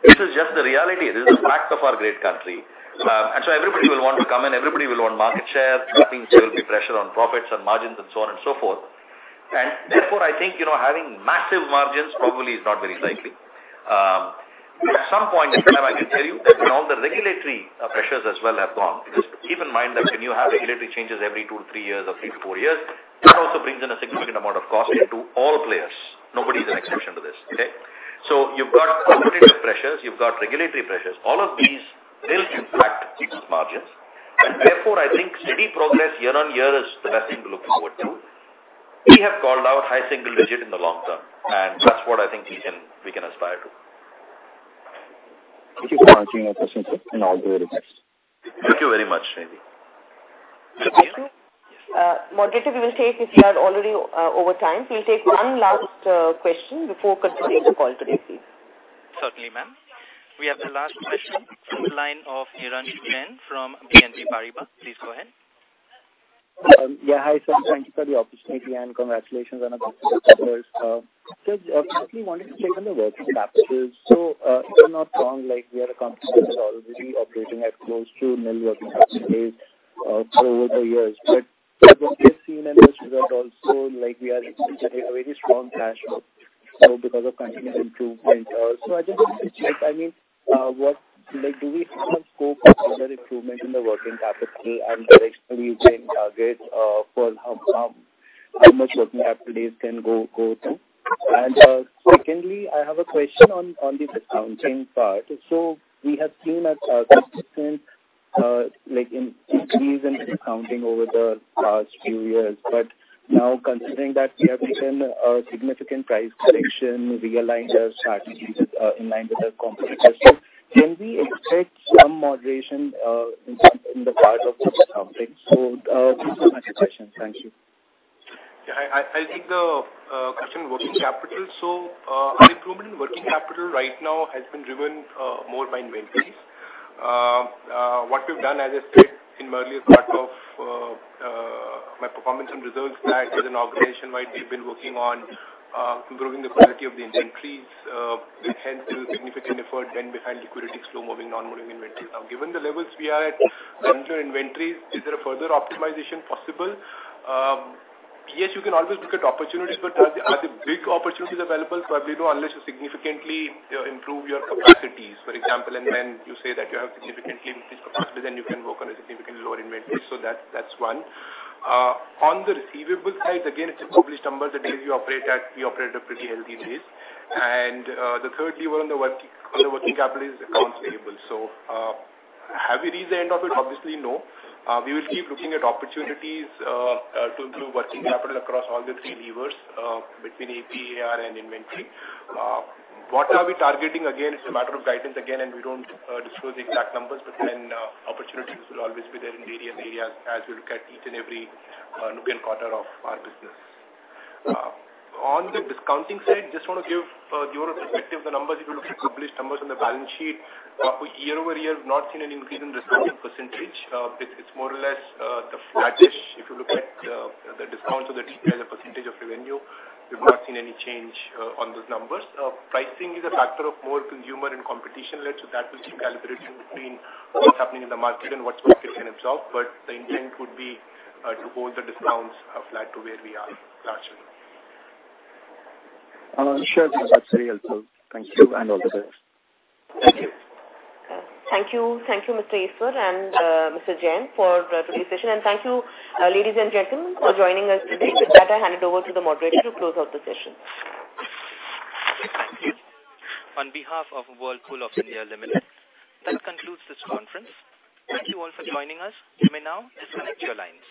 ...This is just the reality. This is a fact of our great country. And so everybody will want to come in, everybody will want market share, which means there will be pressure on profits and margins and so on and so forth. And therefore, I think, you know, having massive margins probably is not very likely. At some point in time, I can tell you, when all the regulatory pressures as well have gone, because keep in mind that when you have regulatory changes every two to three years or three to four years, that also brings in a significant amount of cost into all players. Nobody is an exception to this, okay? So you've got competitive pressures, you've got regulatory pressures, all of these will impact margins. And therefore, I think steady progress year-on-year is the best thing to look forward to. We have called out high single digit in the long term, and that's what I think we can, we can aspire to. Thank you for answering my question, sir, and all the very best. Thank you very much, Randy. Sabrina? Moderator, we will take... We are already over time. So we'll take one last question before concluding the call today, please. Certainly, ma'am. We have the last question from the line of Varun Jain from BNP Paribas. Please go ahead. Yeah, hi, sir. Thank you for the opportunity and congratulations on a so obviously wanted to check on the working capital. So, if I'm not wrong, like, we are a company that is already operating at close to nil working capital over the years. But what we've seen in this result also, like, we are a very strong cash flow, so because of continuous improvement. So I just wanted to check, I mean, what—like, do we have a scope for further improvement in the working capital and the actual using target for how much working capital can go down? And secondly, I have a question on the discounting part. So we have seen a consistent like an increase in discounting over the past few years. But now, considering that we have taken a significant price correction, realigned our strategies, in line with our competitors, can we expect some moderation, in the part of discounting? So, these are my questions. Thank you. Yeah, I think the question on working capital. So, improvement in working capital right now has been driven more by inventories. What we've done, as I said, in my earlier part of my performance and results back with an organization-wide, we've been working on improving the quality of the inventories. We have done significant effort then behind liquidating slow-moving, non-moving inventories. Now, given the levels we are at under inventories, is there a further optimization possible? Yes, you can always look at opportunities, but are the big opportunities available? Probably no, unless you significantly improve your capacities. For example, and when you say that you have significant increase capacity, then you can work on a significantly lower inventory. So that's one. On the receivable side, again, it's a published number. The days we operate at, we operate pretty healthy days. And, the third lever on working capital is accounts payable. So, have we reached the end of it? Obviously, no. We will keep looking at opportunities to improve working capital across all the three levers, between AP, AR, and inventory. What are we targeting? Again, it's a matter of guidance again, and we don't disclose the exact numbers, but then, opportunities will always be there in various areas as we look at each and every nook and cranny of our business. On the discounting side, just want to give your perspective, the numbers, if you look at published numbers on the balance sheet, year-over-year, we've not seen any increase in discounting percentage. It's more or less the flattish. If you look at the discounts or the D as a percentage of revenue, we've not seen any change on those numbers. Pricing is a factor of more consumer and competition led, so that will keep calibrated between what's happening in the market and what's working can absorb. But the intent would be to hold the discounts flat to where we are largely. Sure. That's very helpful. Thank you, and all the best. Thank you. Thank you. Thank you, Mr. Eswar and Mr. Jain, for today's session. And thank you, ladies and gentlemen, for joining us today. With that, I hand it over to the moderator to close out the session. Thank you. On behalf of Whirlpool of India Limited, that concludes this conference. Thank you all for joining us. You may now disconnect your lines.